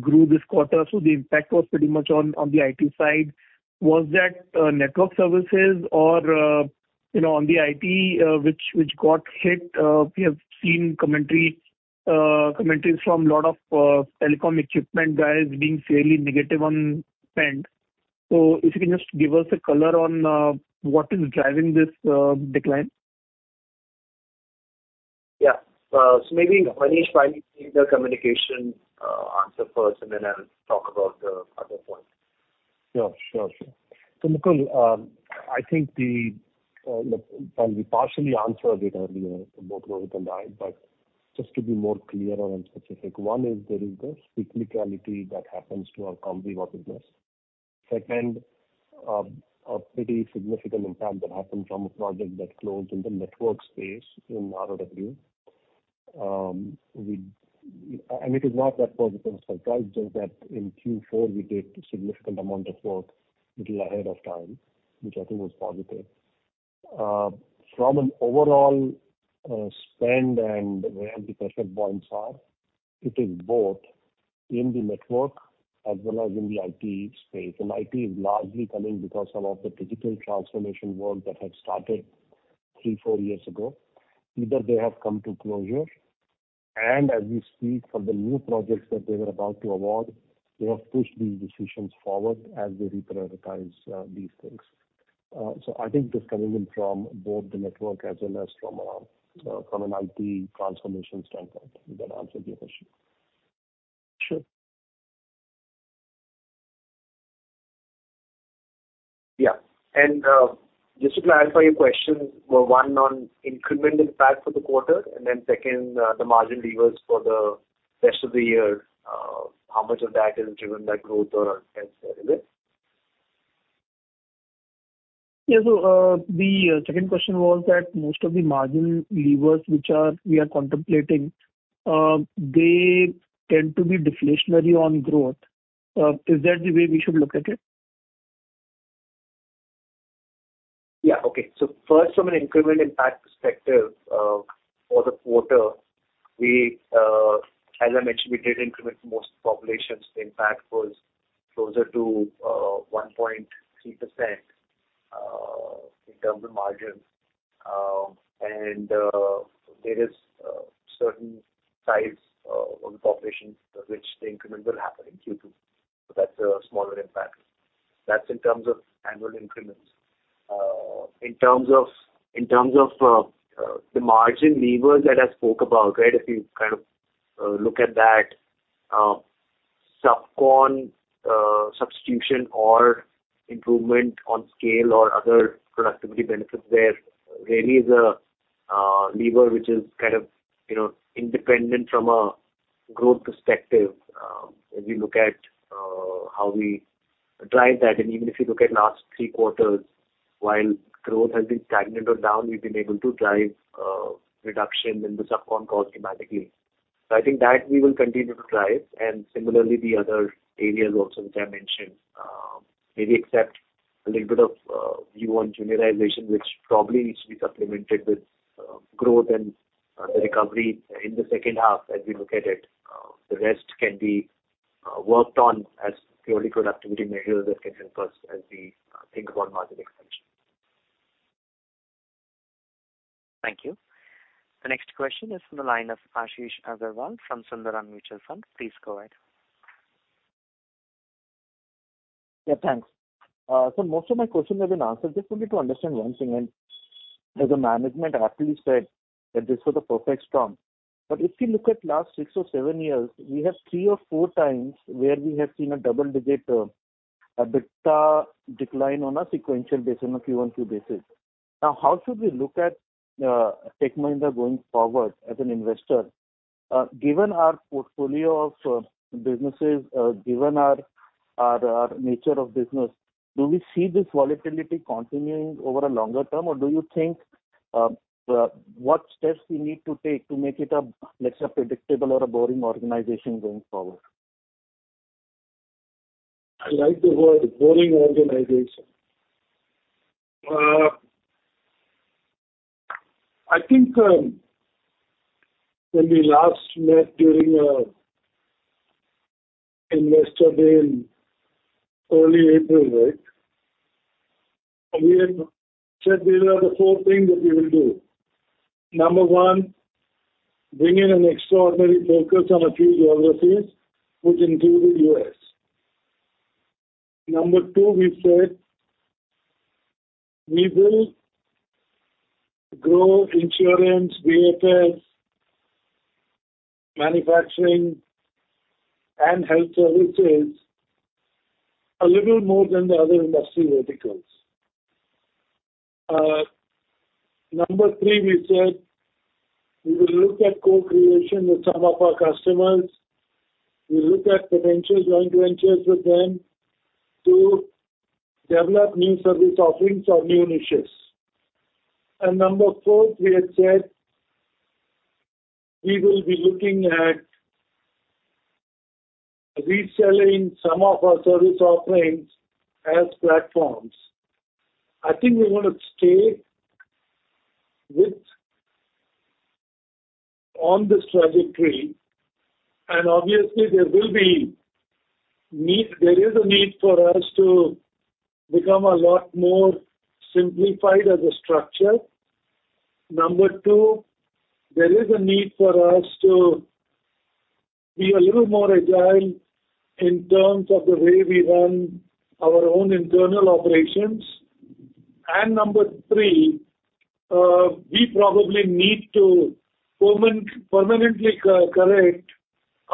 grew this quarter, the impact was pretty much on the IT side. Was that network services or, you know, on the IT which got hit? We have seen commentaries from a lot of telecom equipment guys being fairly negative on spend. If you can just give us a color on what is driving this decline. Yeah. maybe, Manish, why don't you take the communication, answer first, and then I'll talk about the other point. Sure, sure. Mukul, I think the look, we partially answered it earlier, both Rohit and I, but just to be more clearer and specific, one is there is the cyclicality that happens to our Comviva business. Second, a pretty significant impact that happened from a project that closed in the network space in RoW. It is not that positive surprise, just that in Q4, we did significant amount of work little ahead of time, which I think was positive. From an overall spend and where the pressure points are, it is both in the network as well as in the IT space. IT is largely coming because some of the digital transformation work that had started three, four years ago, either they have come to closure, and as we speak from the new projects that they were about to award, they have pushed these decisions forward as they reprioritize these things. So I think this coming in from both the network as well as from an IT transformation standpoint. Does that answer your question? Sure. Yeah. Just to clarify, your questions were one on incremental impact for the quarter, and then second, the margin levers for the rest of the year, how much of that is driven by growth or spend there in it? Yeah. The second question was that most of the margin levers we are contemplating, they tend to be deflationary on growth. Is that the way we should look at it? Yeah. Okay. First, from an incremental impact perspective, for the quarter, we, as I mentioned, we did increment most populations. The impact was closer to 1.3% in terms of margins. There is certain sides on the population which the increment will happen in Q2. That's a smaller impact. That's in terms of annual increments. In terms of the margin levers that I spoke about, right? If you kind of look at that sub con substitution or improvement on scale or other productivity benefits, there really is a lever which is kind of, you know, independent from a growth perspective. Um, if you look at, uh, how we drive that, and even if you look at last three quarters, while growth has been stagnant or down, we've been able to drive, uh, reduction in the subcon cost dramatically. So I think that we will continue to drive. And similarly, the other areas also, which I mentioned, um, maybe except a little bit of, uh, view on juniorization, which probably needs to be supplemented with, uh, growth and, uh, the recovery in the second half as we look at it. Uh, the rest can be, uh, worked on as purely productivity measures that can help us as we, uh, think about margin expansion. Thank you. The next question is from the line of Ashish Aggarwal from Sundaram Mutual Fund. Please go ahead. Thanks. Most of my questions have been answered. Just wanted to understand one thing, and as the management actually said, that this was a perfect storm. If you look at last six or seven years, we have three or four times where we have seen a double-digit EBITDA decline on a sequential basis, on a Q1, Q2 basis. How should we look at Tech Mahindra going forward as an investor? Given our portfolio of businesses, given our nature of business, do we see this volatility continuing over a longer term, or do you think what steps we need to take to make it a, let's say, a predictable or a boring organization going forward? I like the word boring organization. I think, when we last met during Investor Day in early April, right, we had said these are the four things that we will do. Number one, bring in an extraordinary focus on a few geographies, which include the U.S. Number two, we said, we will gRoW insurance, vehicles, manufacturing, and health services a little more than the other industry verticals. Number three, we said we will look at co-creation with some of our customers. We look at potential joint ventures with them to develop new service offerings or new initiatives. Number four, we had said, we will be looking at reselling some of our service offerings as platforms. I think we want to stay on this trajectory, and obviously there is a need for us to become a lot more simplified as a structure. Number two, there is a need for us to be a little more agile in terms of the way we run our own internal operations. Number three, we probably need to permanently co-correct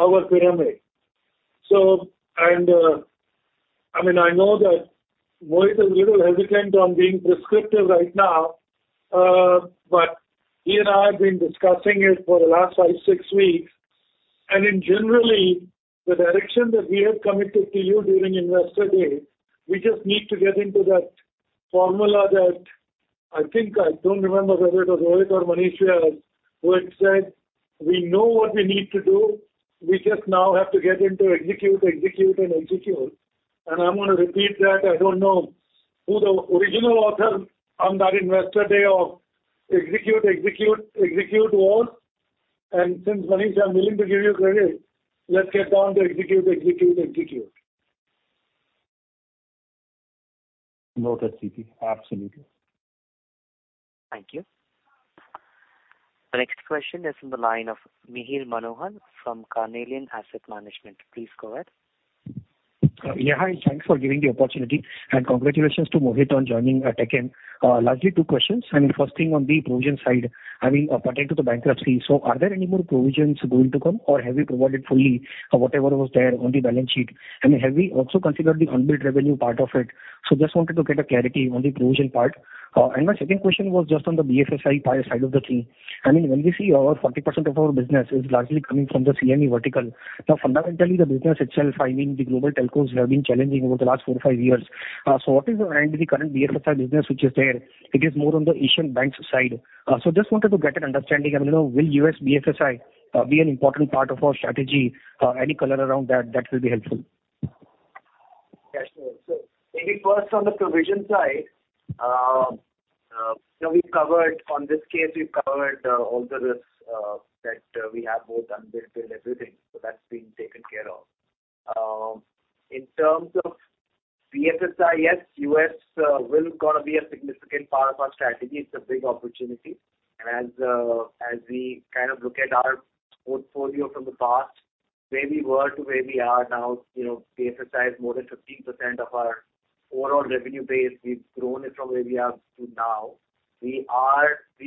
our pyramid. I mean, I know that Rohit is a little hesitant on being prescriptive right now, but he and I have been discussing it for the last five, six weeks. Generally, the direction that we have committed to you during Investor Day, we just need to get into that formula that I think, I don't remember whether it was Rohit or Manish who had said, "We know what we need to do. We just now have to get in to execute, and execute." I'm gonna repeat that. I don't know who the original author on that Investor Day of execute, execute was, and since Manish, I'm willing to give you credit, let's get down to execute, execute. Noted, CP. Absolutely. Thank you. The next question is from the line of Mihir Manohar from Carnelian Asset Management. Please go ahead. Hi. Thanks for giving the opportunity, congratulations to Mohit on joining Tech M. Largely two questions. I mean, first thing on the provision side, I mean, pertaining to the bankruptcy. Are there any more provisions going to come, or have you provided fully whatever was there on the balance sheet? Have we also considered the unbilled revenue part of it? Just wanted to get a clarity on the provision part. My second question was just on the BFSI side of the thing. I mean, when we see over 40% of our business is largely coming from the CME vertical. Now, fundamentally, the business itself, I mean, the global telcos have been challenging over the last four or five years. What is the end of the current BFSI business, which is there? It is more on the Asian banks side. Just wanted to get an understanding. I mean, will U.S. BFSI be an important part of our strategy? Any color around that will be helpful. Yeah, sure. Maybe first on the provision side, we've covered, on this case, we've covered all the risks that we have, both unbilled, billed, everything. That's being taken care of. In terms of BFSI, yes, U.S. will gonna be a significant part of our strategy. It's a big opportunity. As we kind of look at our portfolio from the past, where we were to where we are now, you know, BSS size more than 15% of our overall revenue base, we've grown it from where we are to now. We've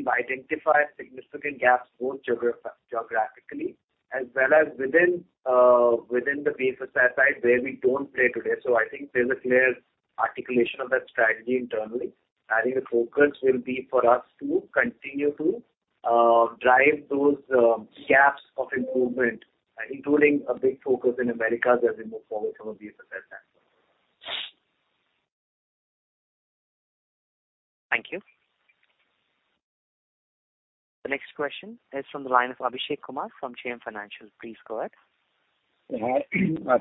identified significant gaps, both geographically as well as within the BSS side, where we don't play today. I think there's a clear articulation of that strategy internally. I think the focus will be for us to continue to drive those gaps of improvement, including a big focus in America as we move forward from a BSS standpoint. Thank you. The next question is from the line of Abhishek Kumar from JM Financial. Please go ahead. Hi,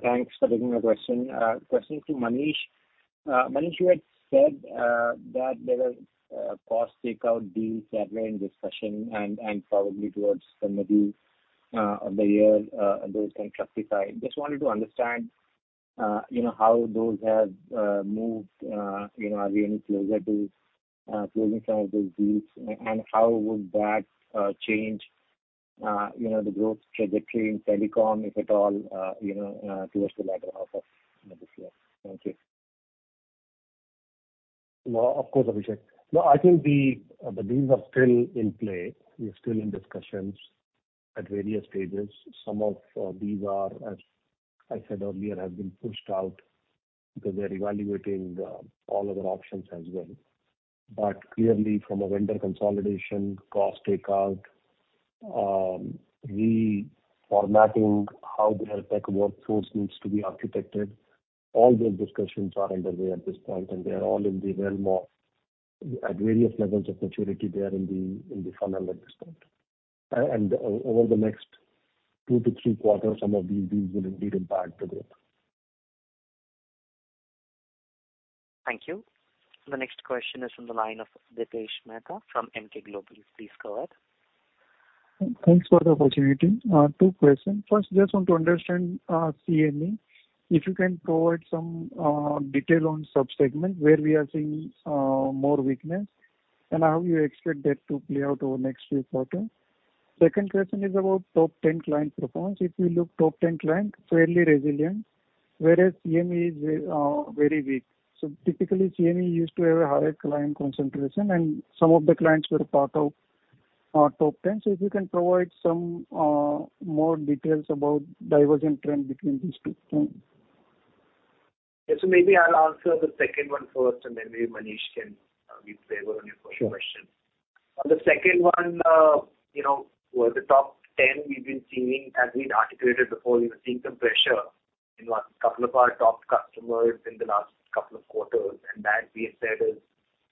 thanks for taking my question. Question to Manish. Manish, you had said that there were cost take out deals that were in discussion and probably towards the middle of the year, those can classify. Just wanted to understand, you know, how those have moved, you know, are we any closer to closing some of those deals? How would that change, you know, the growth trajectory in telecom, if at all, you know, towards the latter half of, you know, this year? Thank you. Of course, Abhishek. I think the deals are still in play. We're still in discussions at various stages. Some of these are, as I said earlier, have been pushed out because they're evaluating all other options as well. Clearly, from a vendor consolidation, cost take out, reformatting how their tech workforce needs to be architected, all those discussions are underway at this point, and they are all in the realm of at various levels of maturity, they are in the funnel at this point. Over the next two to three quarters, some of these deals will indeed impact the group. Thank you. The next question is from the line of Dipesh Mehta from Emkay Global. Please go ahead. Thanks for the opportunity. Two questions. First, just want to understand CME. If you can provide some detail on sub-segments, where we are seeing more weakness, and how you expect that to play out over the next few quarters? Second question is about top 10 client performance. If you look top 10 client, fairly resilient, whereas CME is very weak. Typically, CME used to have a higher client concentration, and some of the clients were part of our top 10. If you can provide some more details about divergent trend between these two things. Yes, maybe I'll answer the second one first, and then maybe Manish can weave favor on your first question. Sure. On the second one, you know, with the top 10, we've been seeing, as we'd articulated before, we were seeing some pressure in what? A couple of our top customers in the last couple of quarters, and that we have said is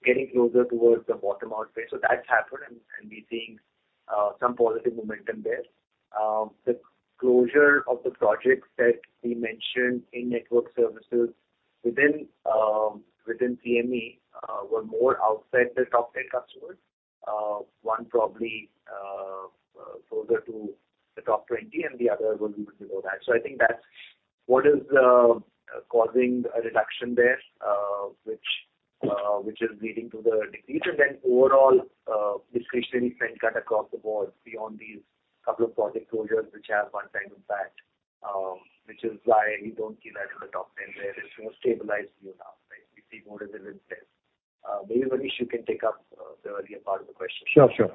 getting closer towards the bottom out phase. That's happened, and we're seeing some positive momentum there. The closure of the projects that we mentioned in network services within CME, were more outside the top 10 customers. One probably closer to the top 20, and the other one was below that. I think that's what is causing a reduction there, which is leading to the decrease, and then overall discretionary spend cut across the board beyond these couple of project closures, which have one-time impact, which is why we don't see that in the top 10. There, it's more stabilized now, right? We see more resilience there. Maybe, Manish, you can take up the earlier part of the question. Sure, sure.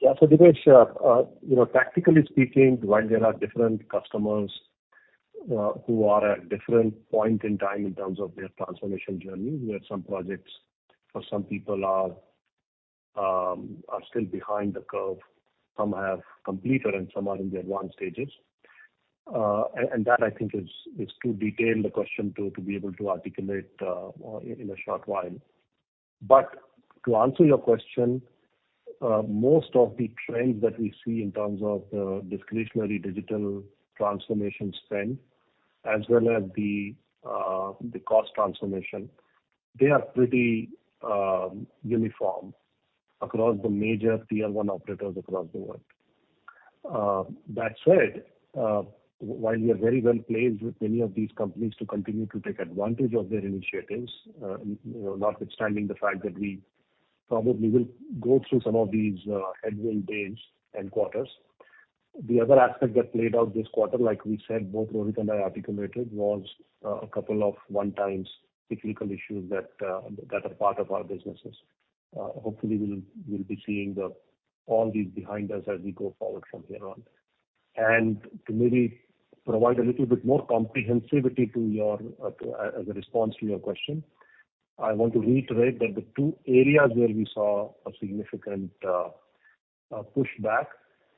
Yeah, Dipesh, you know, tactically speaking, while there are different customers, who are at different point in time in terms of their transformation journey, we have some projects for some people are still behind the curve, some have completed, and some are in the advanced stages. That, I think, is too detailed a question to be able to articulate in a short while. To answer your question, most of the trends that we see in terms of discretionary digital transformation spend, as well as the cost transformation, they are pretty uniform across the major Tier One operators across the world. That said, while we are very well placed with many of these companies to continue to take advantage of their initiatives, you know, notwithstanding the fact that we probably will go through some of these headwind days and quarters. The other aspect that played out this quarter, like we said, both Rohit and I articulated, was a couple of one-times technical issues that are part of our businesses. Hopefully, we'll be seeing all these behind us as we go forward from here on. To maybe provide a little bit more comprehensivity to your as a response to your question, I want to reiterate that the two areas where we saw a significant pushback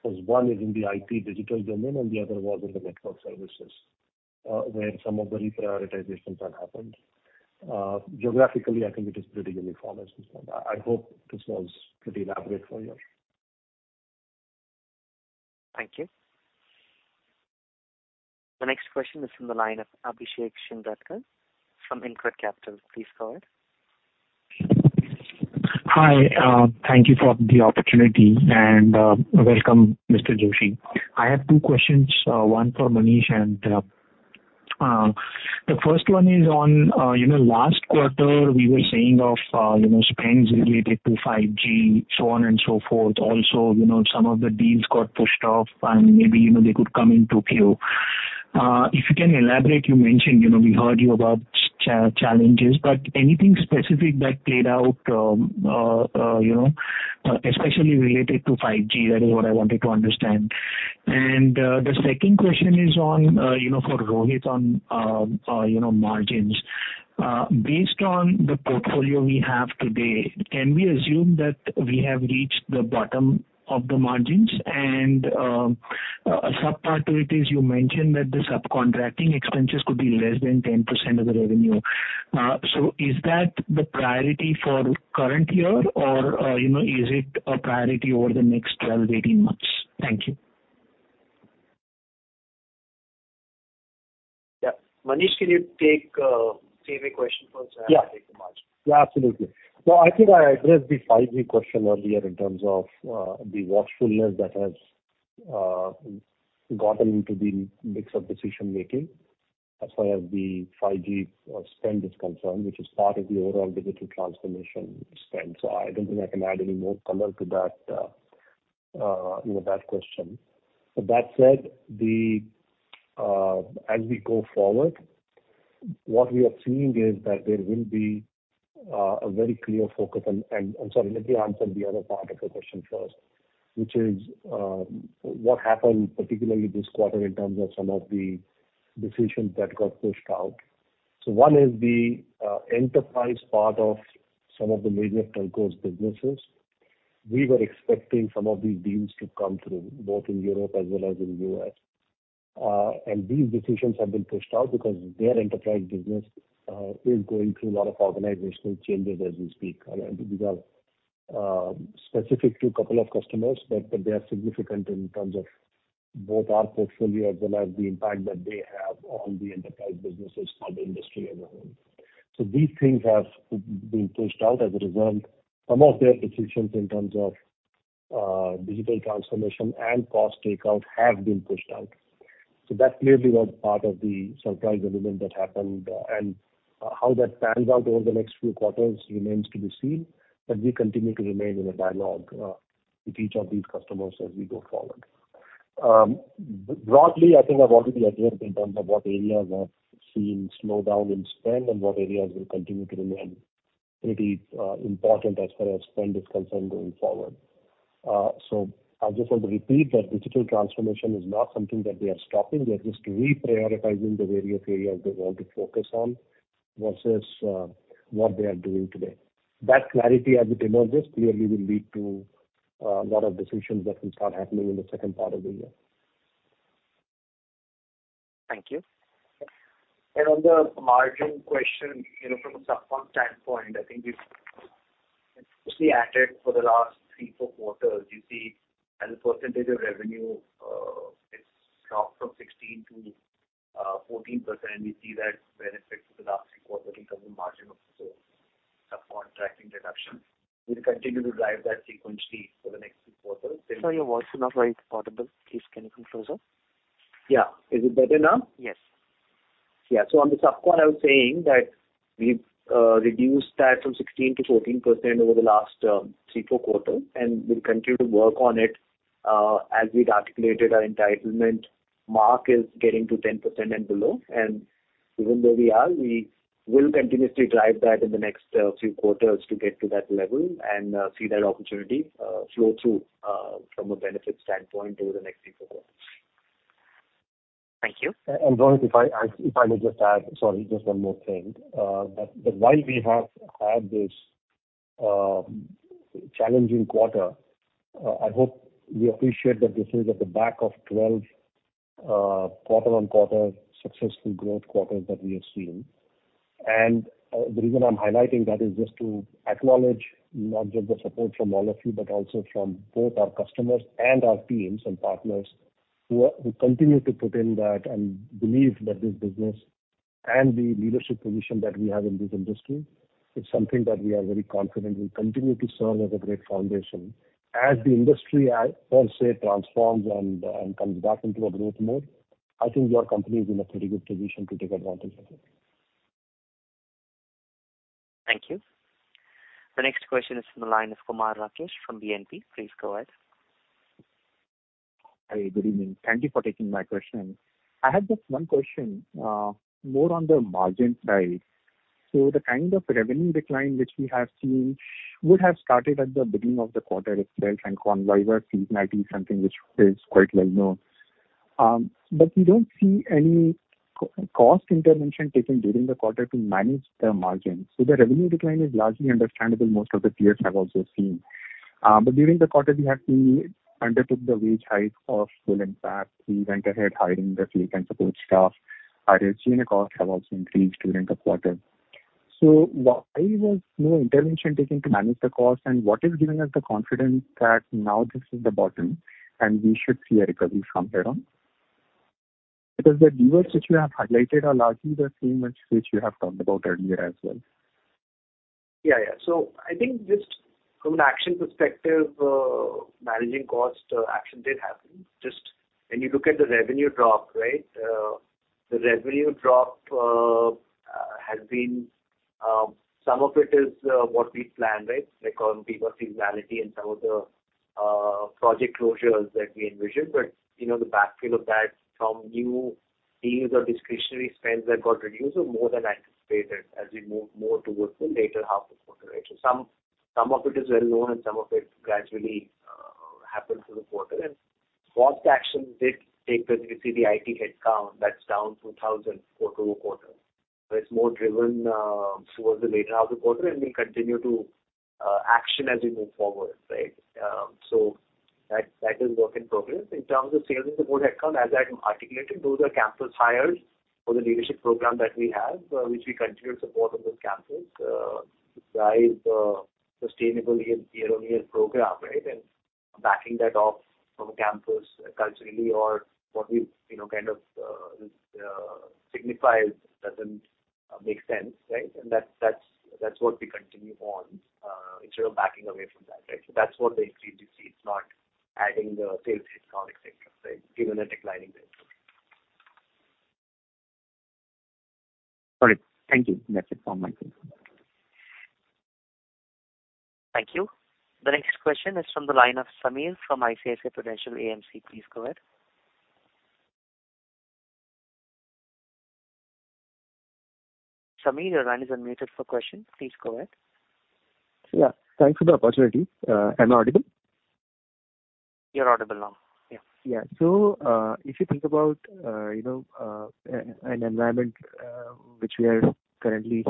was one is in the IT digital domain, and the other was in the network services, where some of the reprioritizations have happened. Geographically, I think it is pretty uniform at this point. I hope this was pretty elaborate for you. Thank you. The next question is from the line of Abhishek Shindadkar from InCred Capital. Please go ahead. Hi, thank you for the opportunity, and welcome, Mr. Joshi. I have two questions, one for Manish. The first one is on, you know, last quarter, we were saying of, you know, spends related to 5G, so on and so forth. Also, you know, some of the deals got pushed off, and maybe, you know, they could come into queue. If you can elaborate, you mentioned, you know, we heard you about challenges, but anything specific that played out, you know, especially related to 5G? That is what I wanted to understand. The second question is on, you know, for Rohit, on, you know, margins. Based on the portfolio we have today, can we assume that we have reached the bottom of the margins? A subpart to it is, you mentioned that the subcontracting expenses could be less than 10% of the revenue. Is that the priority for current year, or, you know, is it a priority over the next 12, 18 months? Thank you. Yeah. Manish, can you take a question for us? Yeah. Take the margin. Absolutely. I think I addressed the 5G question earlier in terms of the watchfulness that has gotten into the mix of decision-making as far as the 5G spend is concerned, which is part of the overall digital transformation spend. I don't think I can add any more color to that, you know, that question. That said, the As we go forward, what we are seeing is that there will be a very clear focus and I'm sorry, let me answer the other part of your question first, which is what happened, particularly this quarter, in terms of some of the decisions that got pushed out. One is the enterprise part of some of the major telcos businesses. We were expecting some of these deals to come through, both in Europe as well as in the U.S. These decisions have been pushed out because their enterprise business is going through a lot of organizational changes as we speak. These are specific to a couple of customers, but they are significant in terms of both our portfolio as well as the impact that they have on the enterprise businesses and the industry as a whole. These things have been pushed out. Some of their decisions in terms of digital transformation and cost takeout have been pushed out. That clearly was part of the surprise element that happened. How that pans out over the next few quarters remains to be seen, but we continue to remain in a dialogue, with each of these customers as we go forward. Broadly, I think I've already adhered in terms of what areas I've seen slow down in spend and what areas will continue to remain pretty important as far as spend is concerned going forward. I'll just want to repeat that digital transformation is not something that we are stopping. We are just reprioritizing the various areas we want to focus on versus, what we are doing today. That clarity, as it emerges, clearly will lead to a lot of decisions that will start happening in the second part of the year. Thank you. On the margin question, you know, from a subcon standpoint, I think it's actually added for the last three, four quarters. As a percentage of revenue, it's dropped from 16%-14%. We see that benefit for the last three quarters in terms of margin of subcontracting reduction. We'll continue to drive that sequentially for the next three quarters. Sorry, your voice is not very audible. Please, can you come closer? Yeah. Is it better now? Yes. On the subcon, I was saying that we've reduced that from 16%-14% over the last three, four quarters, and we'll continue to work on it. As we'd articulated, our entitlement mark is getting to 10% and below, we will continuously drive that in the next few quarters to get to that level and see that opportunity flow through from a benefit standpoint over the next three, four quarters. Thank you. Rohit, if I may just add, sorry, just one more thing. But while we have had this challenging quarter, I hope we appreciate that this is at the back of 12 quarter-over-quarter successful growth quarters that we have seen. The reason I'm highlighting that is just to acknowledge not just the support from all of you, but also from both our customers and our teams and partners, who continue to put in that and believe that this business and the leadership position that we have in this industry is something that we are very confident will continue to serve as a great foundation. As the industry, per se, transforms and comes back into a growth mode, I think our company is in a pretty good position to take advantage of it. Thank you. The next question is from the line of Kumar Rakesh from BNP Paribas. Please go ahead. Hi, good evening. Thank you for taking my question. I had just one question, more on the margin side. The kind of revenue decline which we have seen would have started at the beginning of the quarter itself and Comviva season might be something which is quite well known. We don't see any cost intervention taken during the quarter to manage the margin. The revenue decline is largely understandable. Most of the peers have also seen. During the quarter, we have seen, undertook the wage hike of full impact. We went ahead hiring the fleet and support staff. I have seen the costs have also increased during the quarter. Why was no intervention taken to manage the cost? What is giving us the confidence that now this is the bottom, and we should see a recovery from here on? The levers which you have highlighted are largely the same, which you have talked about earlier as well. Yeah, yeah. I think just from an action perspective, managing cost action did happen. Just when you look at the revenue drop, right, the revenue drop has been, some of it is what we planned, right? Like on people seasonality and some of the project closures that we envisioned. You know, the backfill of that from new deals or discretionary spends that got reduced or more than anticipated as we move more towards the later half of quarter, right? Some, some of it is well known, and some of it gradually happens in the quarter. What action did take, because you see the IT headcount, that's down 2,000 quarter-over-quarter. It's more driven towards the later half of the quarter, and we continue to action as we move forward, right? So that is work in progress. In terms of sales and support account, as I've articulated, those are campus hires for the leadership program that we have, which we continue to support on those campuses. Drive sustainable year-on-year program, right? Backing that off from a campus culturally or what we, you know, kind of, signify doesn't make sense, right? That's what we continue on, instead of backing away from that, right. That's what the increase you see, it's not adding the sales headcount, et cetera, right, given the declining business. All right. Thank you. That's it from my end. Thank you. The next question is from the line of Samir from ICICI Prudential AMC. Please go ahead. Samir, your line is unmuted for question. Please go ahead. Yeah, thanks for the opportunity. Am I audible? You're audible now. Yeah. Yeah. If you think about, you know, an environment which we are currently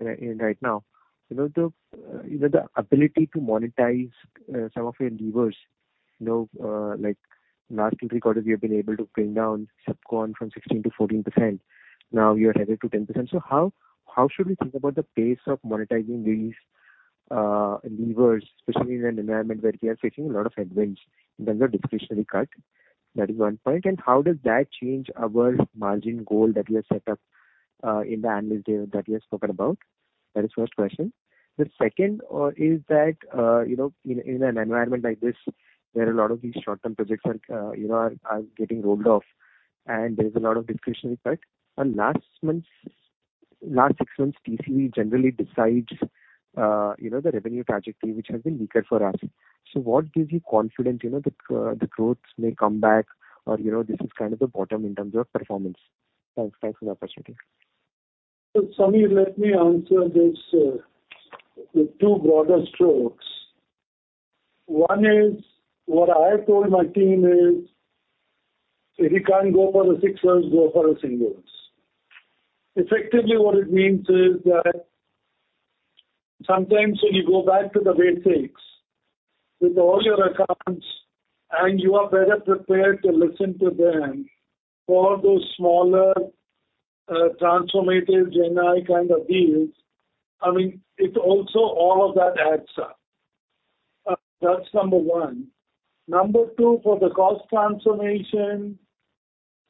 in right now, you know, the, you know, the ability to monetize some of your levers, you know, like last two quarters, we have been able to bring down subcon from 16%-14%. Now you are headed to 10%. How should we think about the pace of monetizing these levers, especially in an environment where we are facing a lot of headwinds in terms of discretionary cut? That is 1 point. How does that change our margin goal that we have set up in the analyst day that we have spoken about? That is first question. The second is that, you know, in an environment like this, there are a lot of these short-term projects that, you know, are getting roped off, and there is a lot of discretionary cut. Last six months, TCV generally decides, you know, the revenue trajectory, which has been weaker for us. What gives you confidence, you know, that the growth may come back or, you know, this is kind of the bottom in terms of performance? Thanks. Thanks for the opportunity. Samir, let me answer this with two broader strokes. One is, what I told my team is, if you can't go for the six runs, go for a singles. Effectively, what it means is that sometimes when you go back to the basics with all your accounts, and you are better prepared to listen to them for those smaller, transformative Gen AI kind of deals, I mean, it also all of that adds up. That's number one. Number two, for the cost transformation,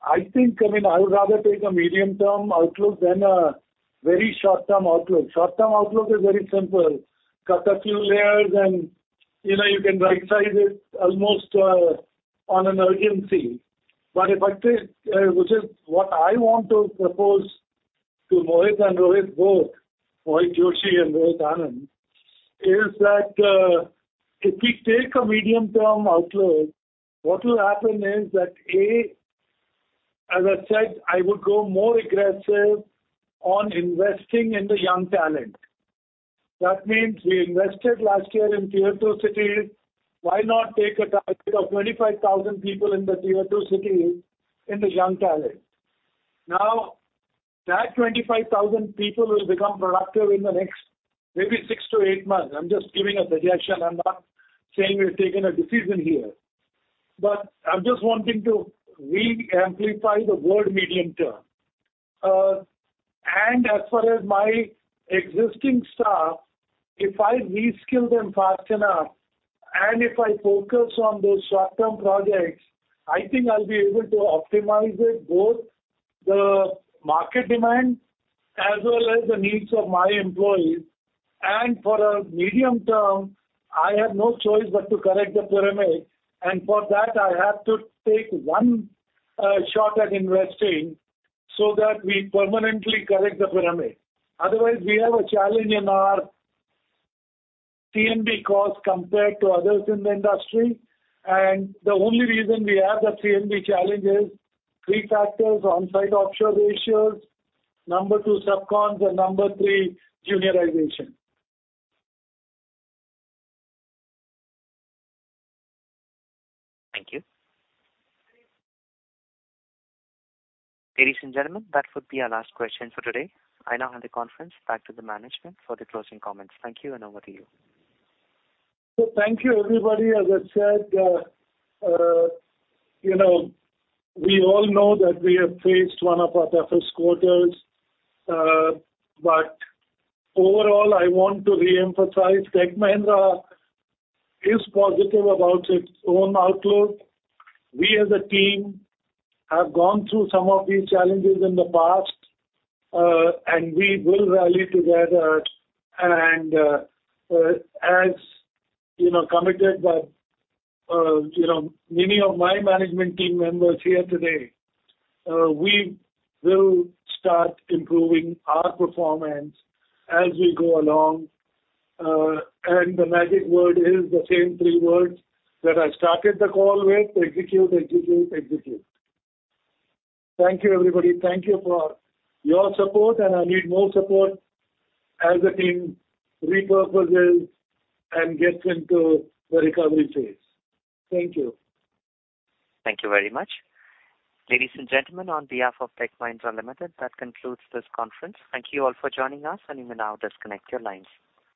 I think, I mean, I would rather take a medium-term outlook than a very short-term outlook. Short-term outlook is very simple. Cut a few layers and, you know, you can rightsize it almost on an urgency. If I take, which is what I want to propose to Mohit and Rohit, both, Mohit Joshi and Rohit Anand, is that, if we take a medium-term outlook, what will happen is that, A, as I said, I would go more aggressive on investing in the young talent. That means we invested last year in tier two cities. Why not take a target of 25,000 people in the tier two cities in the young talent? Now, that 25,000 people will become productive in the next maybe six to eight months. I'm just giving a projection. I'm not saying we've taken a decision here, but I'm just wanting to re-amplify the word medium-term. As far as my existing staff, if I reskill them fast enough, and if I focus on those short-term projects, I think I'll be able to optimize it, both the market demand as well as the needs of my employees. For a medium term, I have no choice but to correct the pyramid, and for that, I have to take one shot at investing so that we permanently correct the pyramid. Otherwise, we have a challenge in our T&B costs compared to others in the industry, and the only reason we have the T&B challenge is three factors: on-site, offshore ratios, number two, subcons, and number three, juniorization. Thank you. Ladies and gentlemen, that would be our last question for today. I now hand the conference back to the management for the closing comments. Thank you. Over to you. Thank you, everybody. As I said, you know, we all know that we have faced one of our toughest quarters, but overall, I want to reemphasize Tech Mahindra is positive about its own outlook. We as a team have gone through some of these challenges in the past, and we will rally together. As you know, committed by, you know, many of my management team members here today, we will start improving our performance as we go along. The magic word is the same three words that I started the call with: execute, execute. Thank you, everybody. Thank you for your support, and I need more support as the team repurposes and gets into the recovery phase. Thank you. Thank you very much. Ladies and gentlemen, on behalf of Tech Mahindra Limited, that concludes this conference. Thank you all for joining us. You may now disconnect your lines.